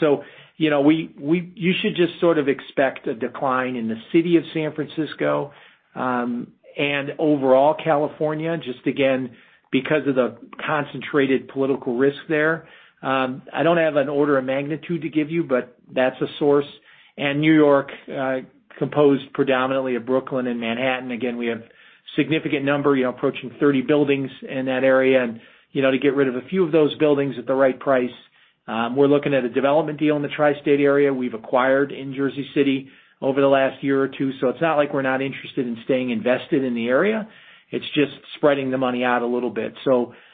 Speaker 3: You should just sort of expect a decline in the city of San Francisco. Overall California, just again, because of the concentrated political risk there. I don't have an order of magnitude to give you, but that's a source. New York, composed predominantly of Brooklyn and Manhattan, again, we have a significant number, approaching 30 buildings in that area, and to get rid of a few of those buildings at the right price. We're looking at a development deal in the tri-state area we've acquired in Jersey City over the last year or two. It's not like we're not interested in staying invested in the area. It's just spreading the money out a little bit.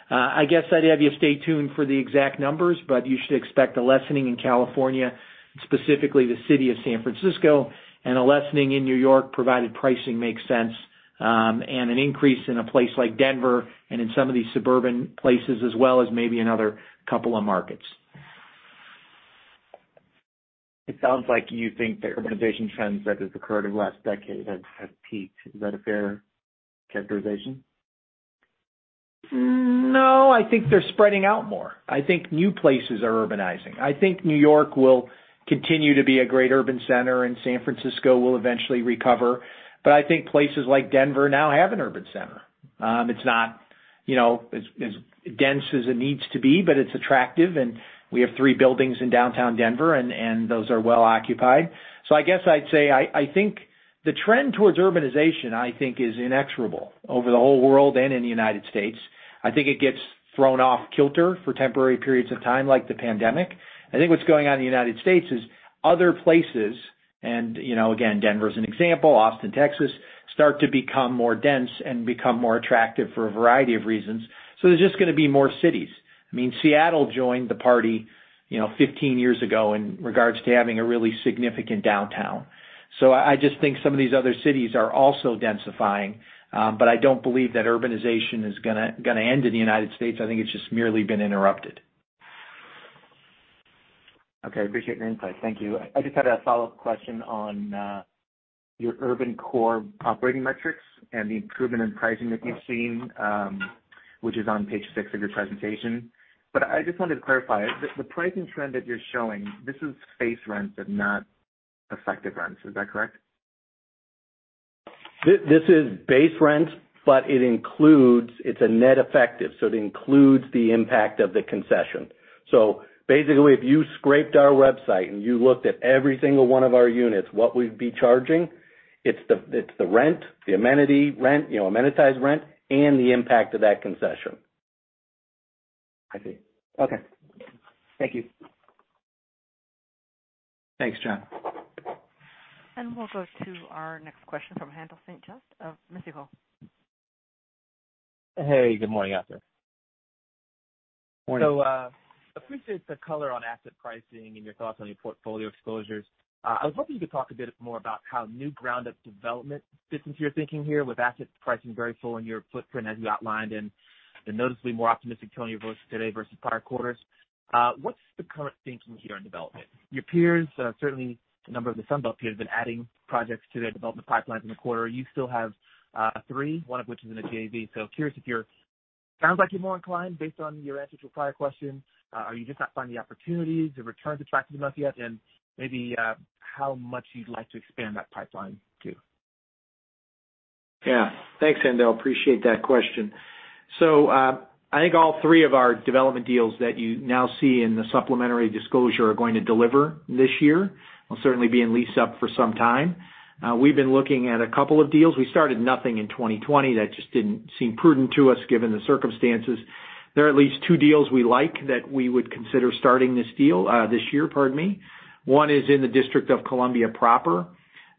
Speaker 3: I guess I'd have you stay tuned for the exact numbers, but you should expect a lessening in California, specifically the city of San Francisco, and a lessening in New York, provided pricing makes sense. An increase in a place like Denver and in some of these suburban places, as well as maybe another couple of markets.
Speaker 11: It sounds like you think the urbanization trends that have occurred in the last decade have peaked. Is that a fair characterization?
Speaker 3: No, I think they're spreading out more. I think new places are urbanizing. I think New York will continue to be a great urban center, and San Francisco will eventually recover. I think places like Denver now have an urban center. It's not as dense as it needs to be, but it's attractive, and we have three buildings in downtown Denver, and those are well occupied. I guess I'd say, I think the trend towards urbanization, I think is inexorable over the whole world and in the U.S. I think it gets thrown off-kilter for temporary periods of time, like the pandemic. I think what's going on in the U.S. is other places and again, Denver is an example, Austin, Texas, start to become more dense and become more attractive for a variety of reasons. There's just going to be more cities. I mean, Seattle joined the party 15 years ago in regards to having a really significant downtown. I just think some of these other cities are also densifying. I don't believe that urbanization is going to end in the U.S. I think it's just merely been interrupted.
Speaker 11: Okay. I appreciate your insight. Thank you. I just had a follow-up question on your urban core operating metrics and the improvement in pricing that you've seen, which is on page six of your presentation. I just wanted to clarify. The pricing trend that you're showing, this is base rents and not effective rents. Is that correct?
Speaker 4: This is base rent, but it's a net effective, so it includes the impact of the concession. Basically, if you scraped our website and you looked at every single one of our units, what we'd be charging, it's the rent, the amenity rent, amenitized rent, and the impact of that concession.
Speaker 11: I see. Okay. Thank you.
Speaker 3: Thanks, John.
Speaker 1: We'll go to our next question from Haendel St. Juste of Mizuho.
Speaker 12: Hey, good morning, out there.
Speaker 3: Morning.
Speaker 12: Appreciate the color on asset pricing and your thoughts on your portfolio exposures. I was hoping you could talk a bit more about how new ground-up development fits into your thinking here with asset pricing very full in your footprint as you outlined, and the noticeably more optimistic tone of your voice today versus prior quarters. What's the current thinking here on development? Your peers, certainly a number of the Sunbelt peers have been adding projects to their development pipelines in the quarter. You still have three, one of which is in a JV. Curious if sounds like you're more inclined based on your answers to a prior question. Are you just not finding the opportunities, the returns attractive enough yet? Maybe how much you'd like to expand that pipeline too?
Speaker 3: Yeah. Thanks, Haendel. Appreciate that question. I think all three of our development deals that you now see in the supplementary disclosure are going to deliver this year, will certainly be in lease-up for some time. We've been looking at a couple of deals. We started nothing in 2020. That just didn't seem prudent to us given the circumstances. There are at least two deals we like that we would consider starting this year, pardon me. One is in the District of Columbia proper.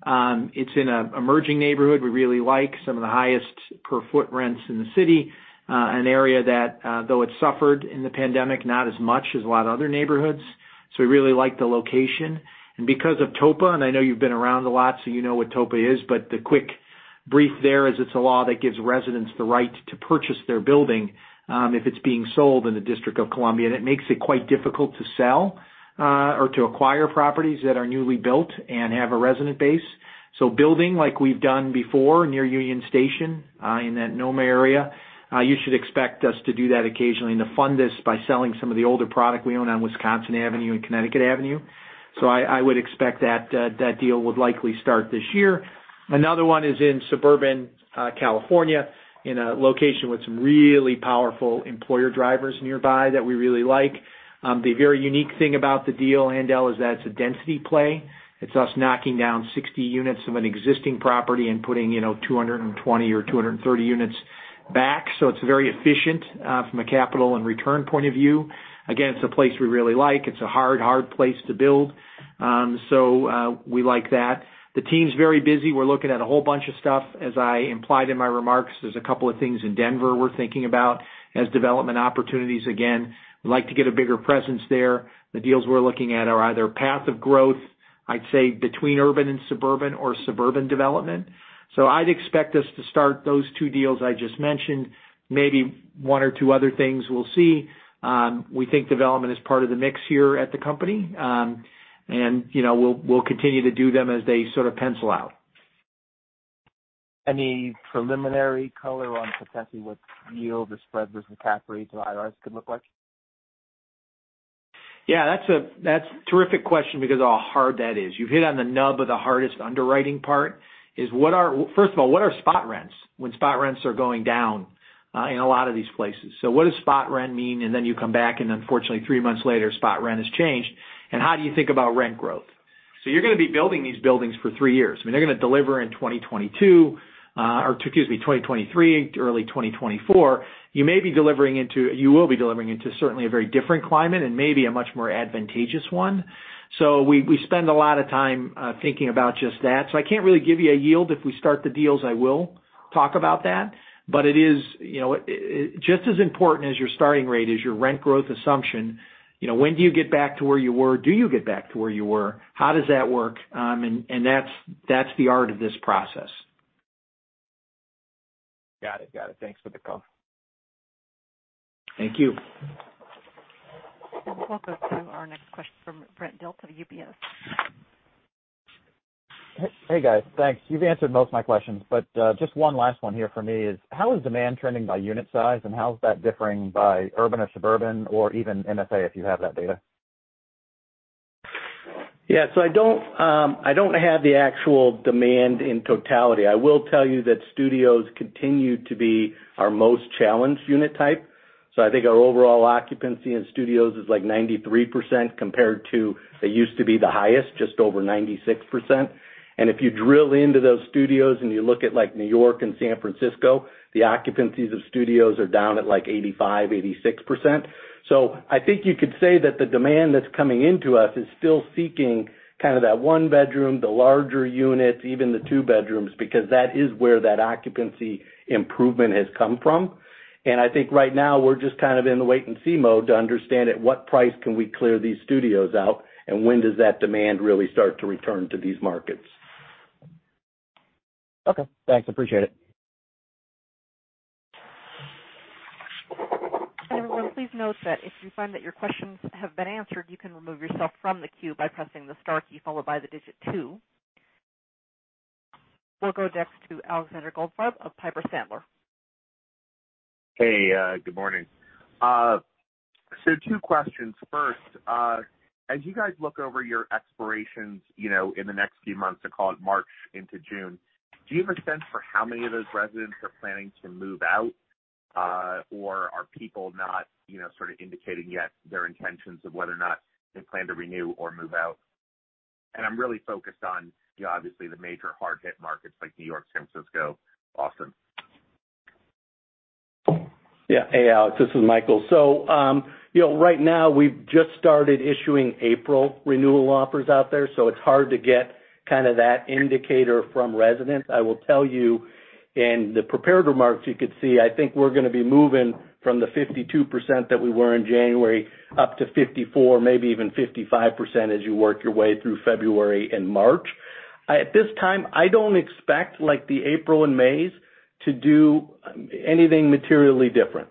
Speaker 3: It's in an emerging neighborhood we really like, some of the highest per foot rents in the city, an area that, though it suffered in the pandemic, not as much as a lot of other neighborhoods. We really like the location. Because of TOPA, and I know you've been around a lot, so you know what TOPA is, the quick brief there is it's a law that gives residents the right to purchase their building, if it's being sold in the District of Columbia. It makes it quite difficult to sell or to acquire properties that are newly built and have a resident base. Building like we've done before near Union Station, in that NoMa area, you should expect us to do that occasionally and to fund this by selling some of the older product we own on Wisconsin Avenue and Connecticut Avenue. I would expect that deal would likely start this year. Another one is in suburban California, in a location with some really powerful employer drivers nearby that we really like. The very unique thing about the deal, Haendel, is that it's a density play. It's us knocking down 60 units of an existing property and putting 220 or 230 units back. It's very efficient from a capital and return point of view. Again, it's a place we really like. It's a hard place to build. We like that. The team's very busy. We're looking at a whole bunch of stuff. As I implied in my remarks, there's a couple of things in Denver we're thinking about as development opportunities. Again, we'd like to get a bigger presence there. The deals we're looking at are either path of growth, I'd say between urban and suburban, or suburban development. I'd expect us to start those two deals I just mentioned, maybe one or two other things, we'll see. We think development is part of the mix here at the company. We'll continue to do them as they sort of pencil out.
Speaker 12: Any preliminary color on potentially what yield or spread versus cap rates or IRRs could look like?
Speaker 3: Yeah. That's a terrific question because of how hard that is. You've hit on the nub of the hardest underwriting part. First of all, what are spot rents when spot rents are going down in a lot of these places? What does spot rent mean? Then you come back and unfortunately, three months later, spot rent has changed. How do you think about rent growth? You're going to be building these buildings for three years. I mean, they're going to deliver in 2022, or excuse me, 2023, early 2024. You will be delivering into certainly a very different climate and maybe a much more advantageous one. We spend a lot of time thinking about just that. I can't really give you a yield. If we start the deals, I will talk about that. It is just as important as your starting rate is your rent growth assumption. When do you get back to where you were? Do you get back to where you were? How does that work? That's the art of this process.
Speaker 12: Got it. Thanks for the call.
Speaker 3: Thank you.
Speaker 1: We'll go to our next question from Brent Dilts of UBS.
Speaker 13: Hey, guys. Thanks. You've answered most of my questions. Just one last one here for me is, how is demand trending by unit size, and how is that differing by urban or suburban or even MSA, if you have that data?
Speaker 4: I don't have the actual demand in totality. I will tell you that studios continue to be our most challenged unit type. I think our overall occupancy in studios is like 93% compared to, they used to be the highest, just over 96%. If you drill into those studios and you look at New York and San Francisco, the occupancies of studios are down at like 85%, 86%. I think you could say that the demand that's coming into us is still seeking kind of that one bedroom, the larger units, even the two bedrooms, because that is where that occupancy improvement has come from. I think right now we're just kind of in the wait and see mode to understand at what price can we clear these studios out, and when does that demand really start to return to these markets.
Speaker 13: Okay. Thanks. Appreciate it.
Speaker 1: Everyone, please note that if you find that your questions have been answered, you can remove yourself from the queue by pressing the star key followed by the digit two. We'll go next to Alexander Goldfarb of Piper Sandler.
Speaker 14: Hey, good morning. Two questions. First, as you guys look over your expirations in the next few months, let's call it March into June, do you have a sense for how many of those residents are planning to move out? Are people not sort of indicating yet their intentions of whether or not they plan to renew or move out? I'm really focused on obviously the major hard hit markets like New York, San Francisco, Boston.
Speaker 4: Hey, Alex, this is Michael. Right now we've just started issuing April renewal offers out there, so it's hard to get kind of that indicator from residents. I will tell you in the prepared remarks, you could see, I think we're going to be moving from the 52% that we were in January up to 54%, maybe even 55% as you work your way through February and March. At this time, I don't expect the April and Mays to do anything materially different.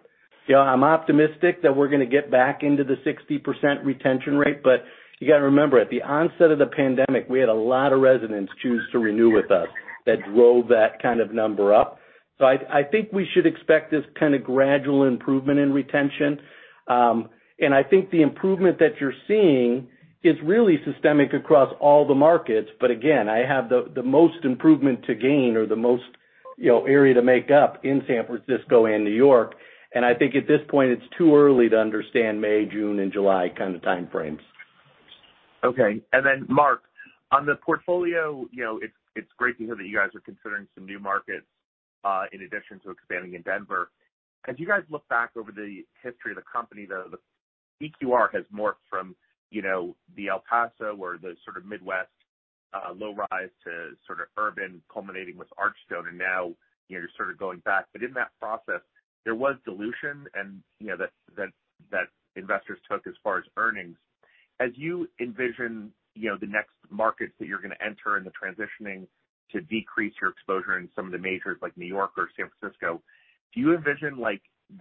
Speaker 4: I'm optimistic that we're going to get back into the 60% retention rate, but you got to remember, at the onset of the pandemic, we had a lot of residents choose to renew with us that drove that kind of number up. I think we should expect this kind of gradual improvement in retention. I think the improvement that you're seeing is really systemic across all the markets. Again, I have the most improvement to gain or the most area to make up in San Francisco and New York. I think at this point it's too early to understand May, June, and July kind of time frames.
Speaker 14: Mark, on the portfolio, it's great to hear that you guys are considering some new markets in addition to expanding in Denver. As you guys look back over the history of the company, the EQR has morphed from the El Paso or the sort of Midwest low rise to sort of urban culminating with Archstone, and now you're sort of going back. In that process, there was dilution that investors took as far as earnings. As you envision the next markets that you're going to enter and the transitioning to decrease your exposure in some of the majors like New York or San Francisco, do you envision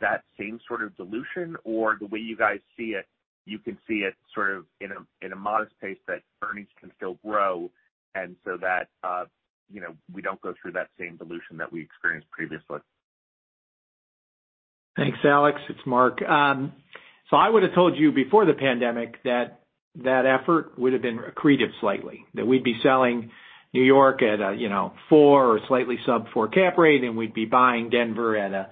Speaker 14: that same sort of dilution? The way you guys see it, you can see it sort of in a modest pace that earnings can still grow and so that we don't go through that same dilution that we experienced previously?
Speaker 3: Thanks, Alex. It's Mark. I would've told you before the pandemic that that effort would've been accretive slightly. That we'd be selling New York at a four or slightly sub four cap rate, and we'd be buying Denver at a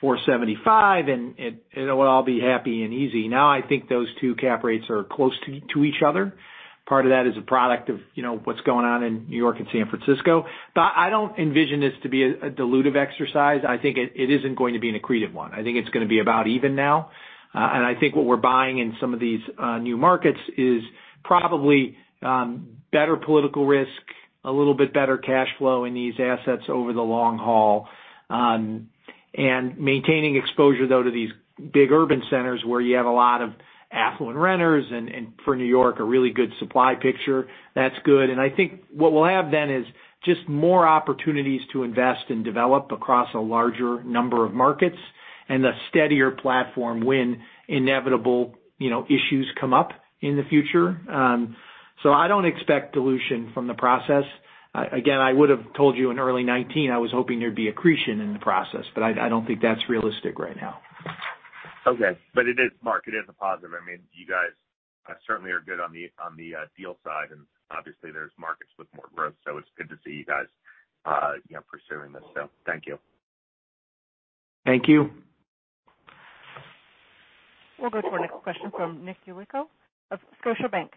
Speaker 3: 475, and it would all be happy and easy. Now, I think those two cap rates are close to each other. Part of that is a product of what's going on in New York and San Francisco. I don't envision this to be a dilutive exercise. I think it isn't going to be an accretive one. I think it's going to be about even now. I think what we're buying in some of these new markets is probably better political risk, a little bit better cash flow in these assets over the long haul. Maintaining exposure, though, to these big urban centers where you have a lot of affluent renters and for New York, a really good supply picture. That's good. I think what we'll have then is just more opportunities to invest and develop across a larger number of markets, and a steadier platform when inevitable issues come up in the future. I don't expect dilution from the process. Again, I would've told you in early 2019, I was hoping there'd be accretion in the process, but I don't think that's realistic right now.
Speaker 14: Okay. Mark, it is a positive. You guys certainly are good on the deal side, and obviously there's markets with more growth, so it's good to see you guys pursuing this. Thank you.
Speaker 3: Thank you.
Speaker 1: We'll go to our next question from Nicholas Yulico of Scotiabank.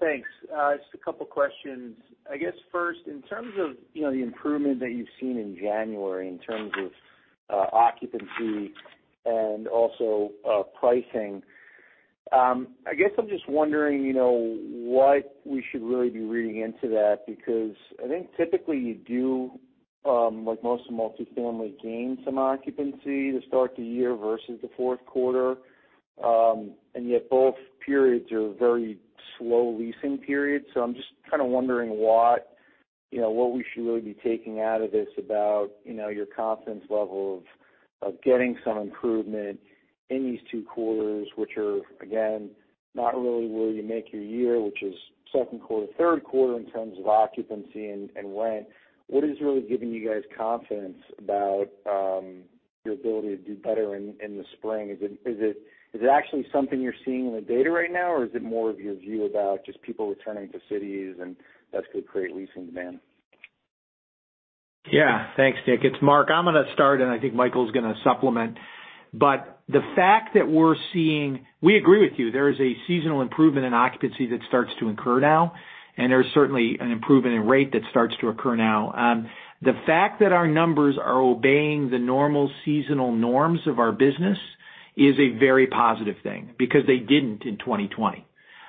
Speaker 15: Thanks. Just a couple of questions. I guess first, in terms of the improvement that you've seen in January in terms of occupancy and also pricing, I guess I'm just wondering what we should really be reading into that, because I think typically you do, like most of multifamily, gain some occupancy to start the year versus the fourth quarter. Both periods are very slow leasing periods. I'm just kind of wondering what we should really be taking out of this about your confidence level of getting some improvement in these two quarters, which are, again, not really where you make your year, which is second quarter, third quarter in terms of occupancy and rent. What is really giving you guys confidence about your ability to do better in the spring? Is it actually something you're seeing in the data right now, or is it more of your view about just people returning to cities and that's going to create leasing demand?
Speaker 3: Yeah. Thanks, Nick. It's Mark. I'm going to start, and I think Michael's going to supplement. We agree with you. There is a seasonal improvement in occupancy that starts to incur now, and there's certainly an improvement in rate that starts to occur now. The fact that our numbers are obeying the normal seasonal norms of our business is a very positive thing, because they didn't in 2020.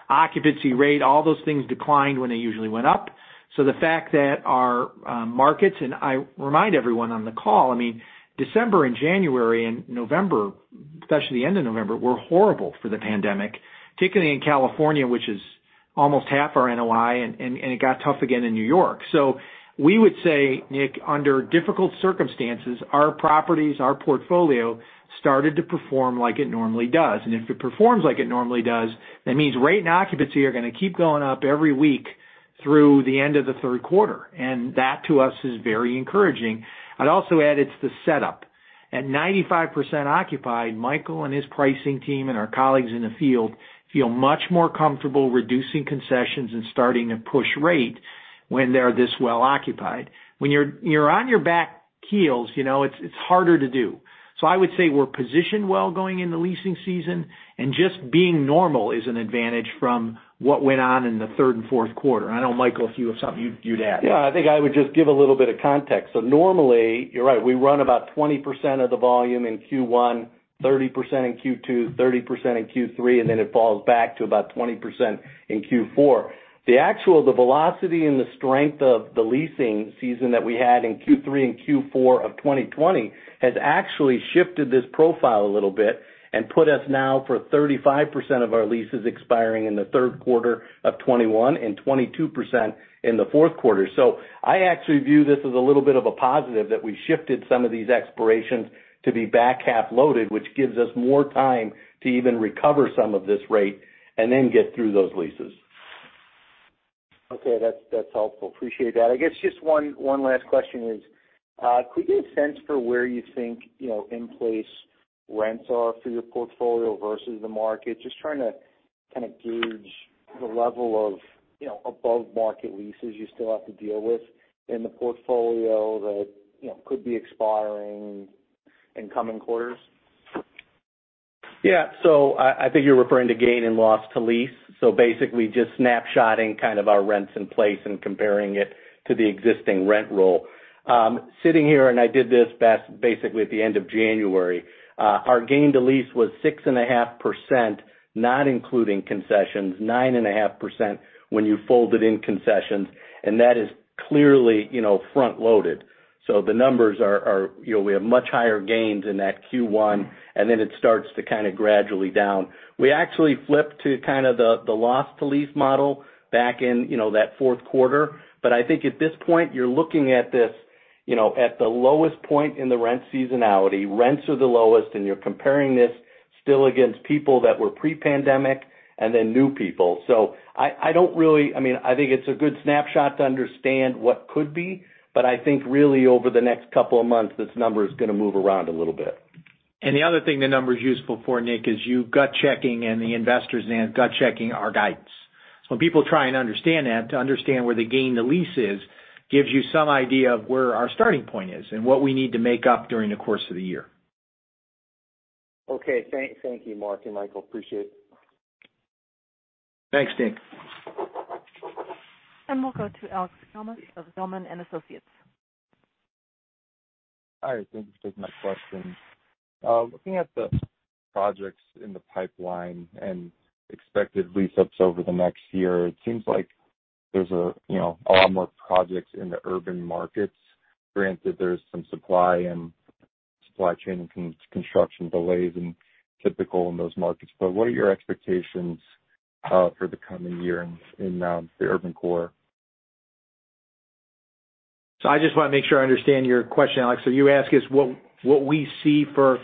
Speaker 3: Occupancy rate, all those things declined when they usually went up. The fact that our markets, and I remind everyone on the call, December and January and November, especially the end of November, were horrible for the pandemic, particularly in California, which is almost half our NOI, and it got tough again in New York. We would say, Nick, under difficult circumstances, our properties, our portfolio started to perform like it normally does. If it performs like it normally does, that means rate and occupancy are going to keep going up every week through the end of the third quarter. That, to us, is very encouraging. I'd also add it's the setup. At 95% occupied, Michael and his pricing team and our colleagues in the field feel much more comfortable reducing concessions and starting to push rate when they're this well occupied. When you're on your back heels it's harder to do. I would say we're positioned well going into leasing season, and just being normal is an advantage from what went on in the third and fourth quarter. I know, Michael, if you have something you'd add. Yeah, I think I would just give a little bit of context.
Speaker 4: Normally, you're right, we run about 20% of the volume in Q1, 30% in Q2, 30% in Q3, and then it falls back to about 20% in Q4. The velocity and the strength of the leasing season that we had in Q3 and Q4 of 2020 has actually shifted this profile a little bit and put us now for 35% of our leases expiring in the third quarter of 2021 and 22% in the fourth quarter. I actually view this as a little bit of a positive that we've shifted some of these expirations to be back-half loaded, which gives us more time to even recover some of this rate and then get through those leases
Speaker 15: Okay, that's helpful. Appreciate that. I guess just one last question is, could we get a sense for where you think in-place rents are for your portfolio versus the market? Just trying to kind of gauge the level of above-market leases you still have to deal with in the portfolio that could be expiring in coming quarters.
Speaker 4: Yeah. I think you're referring to Gain to Lease and Loss to Lease. Basically just snapshotting kind of our rents in place and comparing it to the existing rent roll. Sitting here, and I did this basically at the end of January, our Gain to Lease was 6.5%, not including concessions, 9.5% when you folded in concessions, and that is clearly front-loaded. We have much higher gains in that Q1, and then it starts to kind of gradually down. We actually flipped to kind of the Loss to Lease model back in that fourth quarter. I think at this point, you're looking at this at the lowest point in the rent seasonality. Rents are the lowest, and you're comparing this still against people that were pre-pandemic and then new people. I think it's a good snapshot to understand what could be, but I think really over the next couple of months, this number is going to move around a little bit.
Speaker 3: The other thing the number's useful for, Nick, is you gut checking and the investors gut checking our guidance. When people try and understand that, to understand where the gain to lease is, gives you some idea of where our starting point is and what we need to make up during the course of the year.
Speaker 15: Okay. Thank you, Mark and Michael. Appreciate it.
Speaker 3: Thanks, Nick.
Speaker 1: We'll go to Alex Sillman of Sillman & Associates.
Speaker 16: Hi, thanks for taking my question. Looking at the projects in the pipeline and expected lease-ups over the next year, it seems like there's a lot more projects in the urban markets. Granted, there's some supply and supply chain and construction delays typical in those markets. What are your expectations for the coming year in the urban core?
Speaker 3: I just want to make sure I understand your question, Alex. You ask us what we see for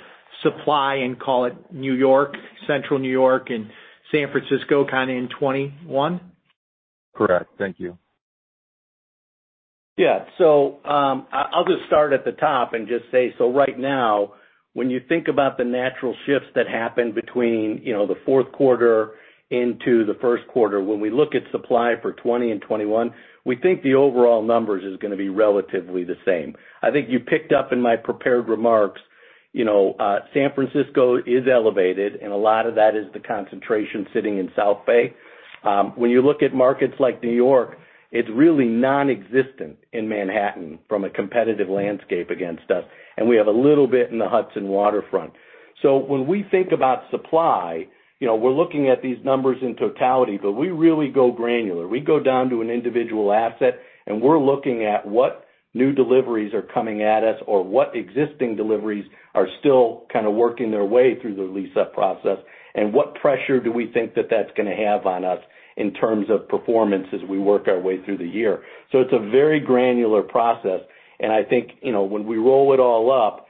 Speaker 3: supply in, call it New York, Central New York, and San Francisco kind of in 2021?
Speaker 16: Correct. Thank you.
Speaker 4: Yeah. I'll just start at the top and just say, so right now, when you think about the natural shifts that happen between the fourth quarter into the first quarter, when we look at supply for 2020 and 2021, we think the overall numbers is going to be relatively the same. I think you picked up in my prepared remarks, San Francisco is elevated, and a lot of that is the concentration sitting in South Bay. When you look at markets like New York, it's really non-existent in Manhattan from a competitive landscape against us, and we have a little bit in the Hudson waterfront. When we think about supply, we're looking at these numbers in totality, but we really go granular. We go down to an individual asset, we're looking at what new deliveries are coming at us or what existing deliveries are still kind of working their way through the lease-up process, what pressure do we think that that's going to have on us in terms of performance as we work our way through the year. It's a very granular process, I think, when we roll it all up,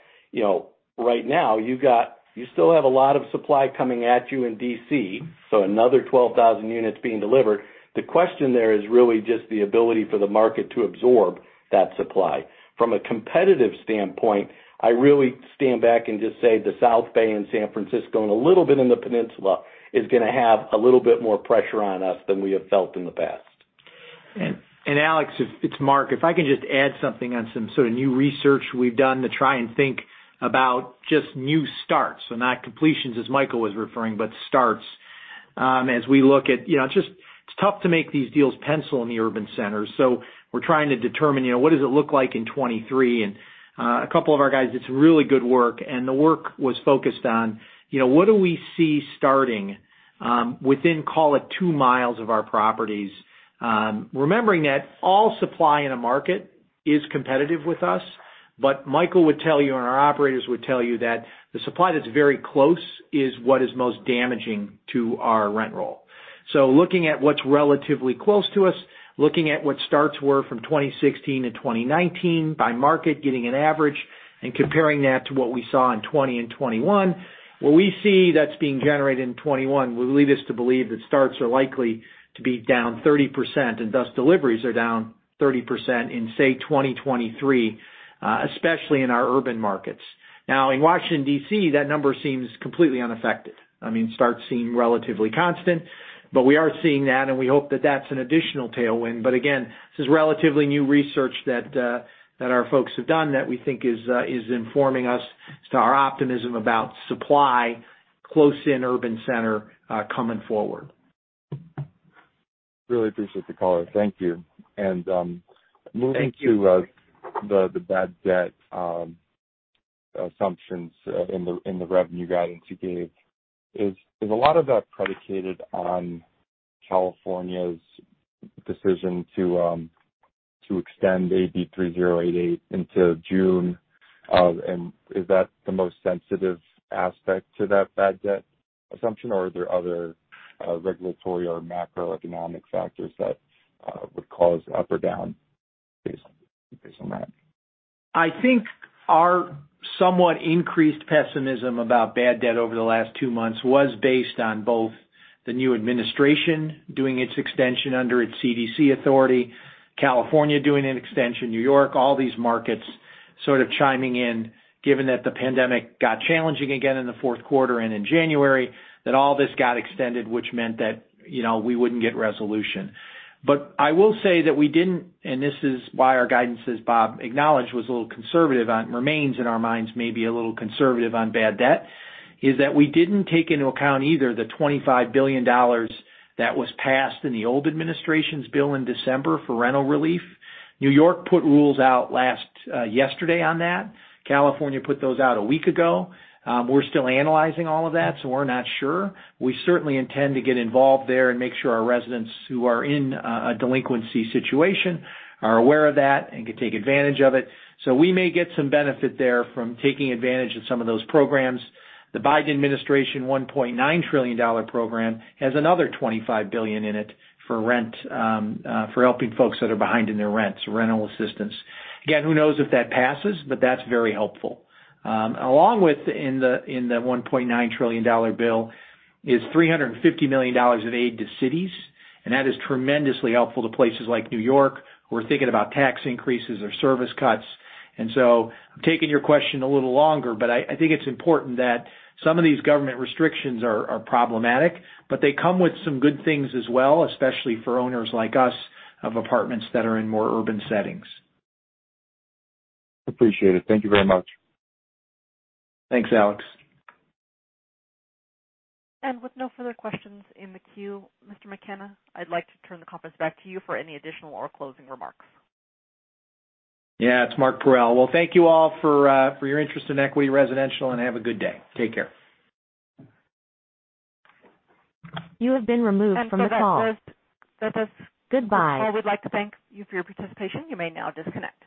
Speaker 4: right now you still have a lot of supply coming at you in D.C., another 12,000 units being delivered. The question there is really just the ability for the market to absorb that supply. From a competitive standpoint, I really stand back and just say the South Bay and San Francisco, and a little bit in the Peninsula, is going to have a little bit more pressure on us than we have felt in the past.
Speaker 3: Alex, it's Mark. If I can just add something on some sort of new research we've done to try and think about just new starts. Not completions as Michael was referring, but starts. It's tough to make these deals pencil in the urban centers, so we're trying to determine what does it look like in 23. A couple of our guys did some really good work, and the work was focused on what do we see starting within, call it two miles of our properties. Remembering that all supply in a market is competitive with us. Michael would tell you, and our operators would tell you that the supply that's very close is what is most damaging to our rent roll. Looking at what's relatively close to us, looking at what starts were from 2016 to 2019 by market, getting an average, and comparing that to what we saw in 2020 and 2021. What we see that's being generated in 2021 would lead us to believe that starts are likely to be down 30%, and thus deliveries are down 30% in, say, 2023, especially in our urban markets. In Washington, D.C., that number seems completely unaffected. Starts seem relatively constant, we are seeing that, and we hope that that's an additional tailwind. Again, this is relatively new research that our folks have done that we think is informing us as to our optimism about supply close in urban center coming forward.
Speaker 16: Really appreciate the color. Thank you.
Speaker 4: Thank you.
Speaker 16: The bad debt assumptions in the revenue guidance you gave, is a lot of that predicated on California's decision to extend AB 3088 into June? Is that the most sensitive aspect to that bad debt assumption, or are there other regulatory or macroeconomic factors that would cause up or down based on that?
Speaker 3: I think our somewhat increased pessimism about bad debt over the last two months was based on both the new administration doing its extension under its CDC authority, California doing an extension, New York, all these markets sort of chiming in, given that the pandemic got challenging again in the fourth quarter and in January, that all this got extended, which meant that we wouldn't get resolution. I will say that we didn't, and this is why our guidance, as Bob acknowledged, was a little conservative on, remains in our minds maybe a little conservative on bad debt, is that we didn't take into account either the $25 billion that was passed in the old administration's bill in December for rental relief. New York put rules out yesterday on that. California put those out a week ago. We're still analyzing all of that, so we're not sure. We certainly intend to get involved there and make sure our residents who are in a delinquency situation are aware of that and can take advantage of it. We may get some benefit there from taking advantage of some of those programs. The Biden administration $1.9 trillion program has another $25 billion in it for helping folks that are behind in their rents, rental assistance. Again, who knows if that passes, but that's very helpful. Along with, in the $1.9 trillion bill, is $350 million of aid to cities, and that is tremendously helpful to places like New York, who are thinking about tax increases or service cuts. I'm taking your question a little longer, but I think it's important that some of these government restrictions are problematic, but they come with some good things as well, especially for owners like us of apartments that are in more urban settings.
Speaker 16: Appreciate it. Thank you very much.
Speaker 3: Thanks, Alex.
Speaker 1: With no further questions in the queue, Mr. McKenna, I'd like to turn the conference back to you for any additional or closing remarks.
Speaker 3: Yeah, it's Mark Parrell. Well, thank you all for your interest in Equity Residential, and have a good day. Take care.
Speaker 1: You have been removed from the call. Goodbye. We'd like to thank you for your participation. You may now disconnect.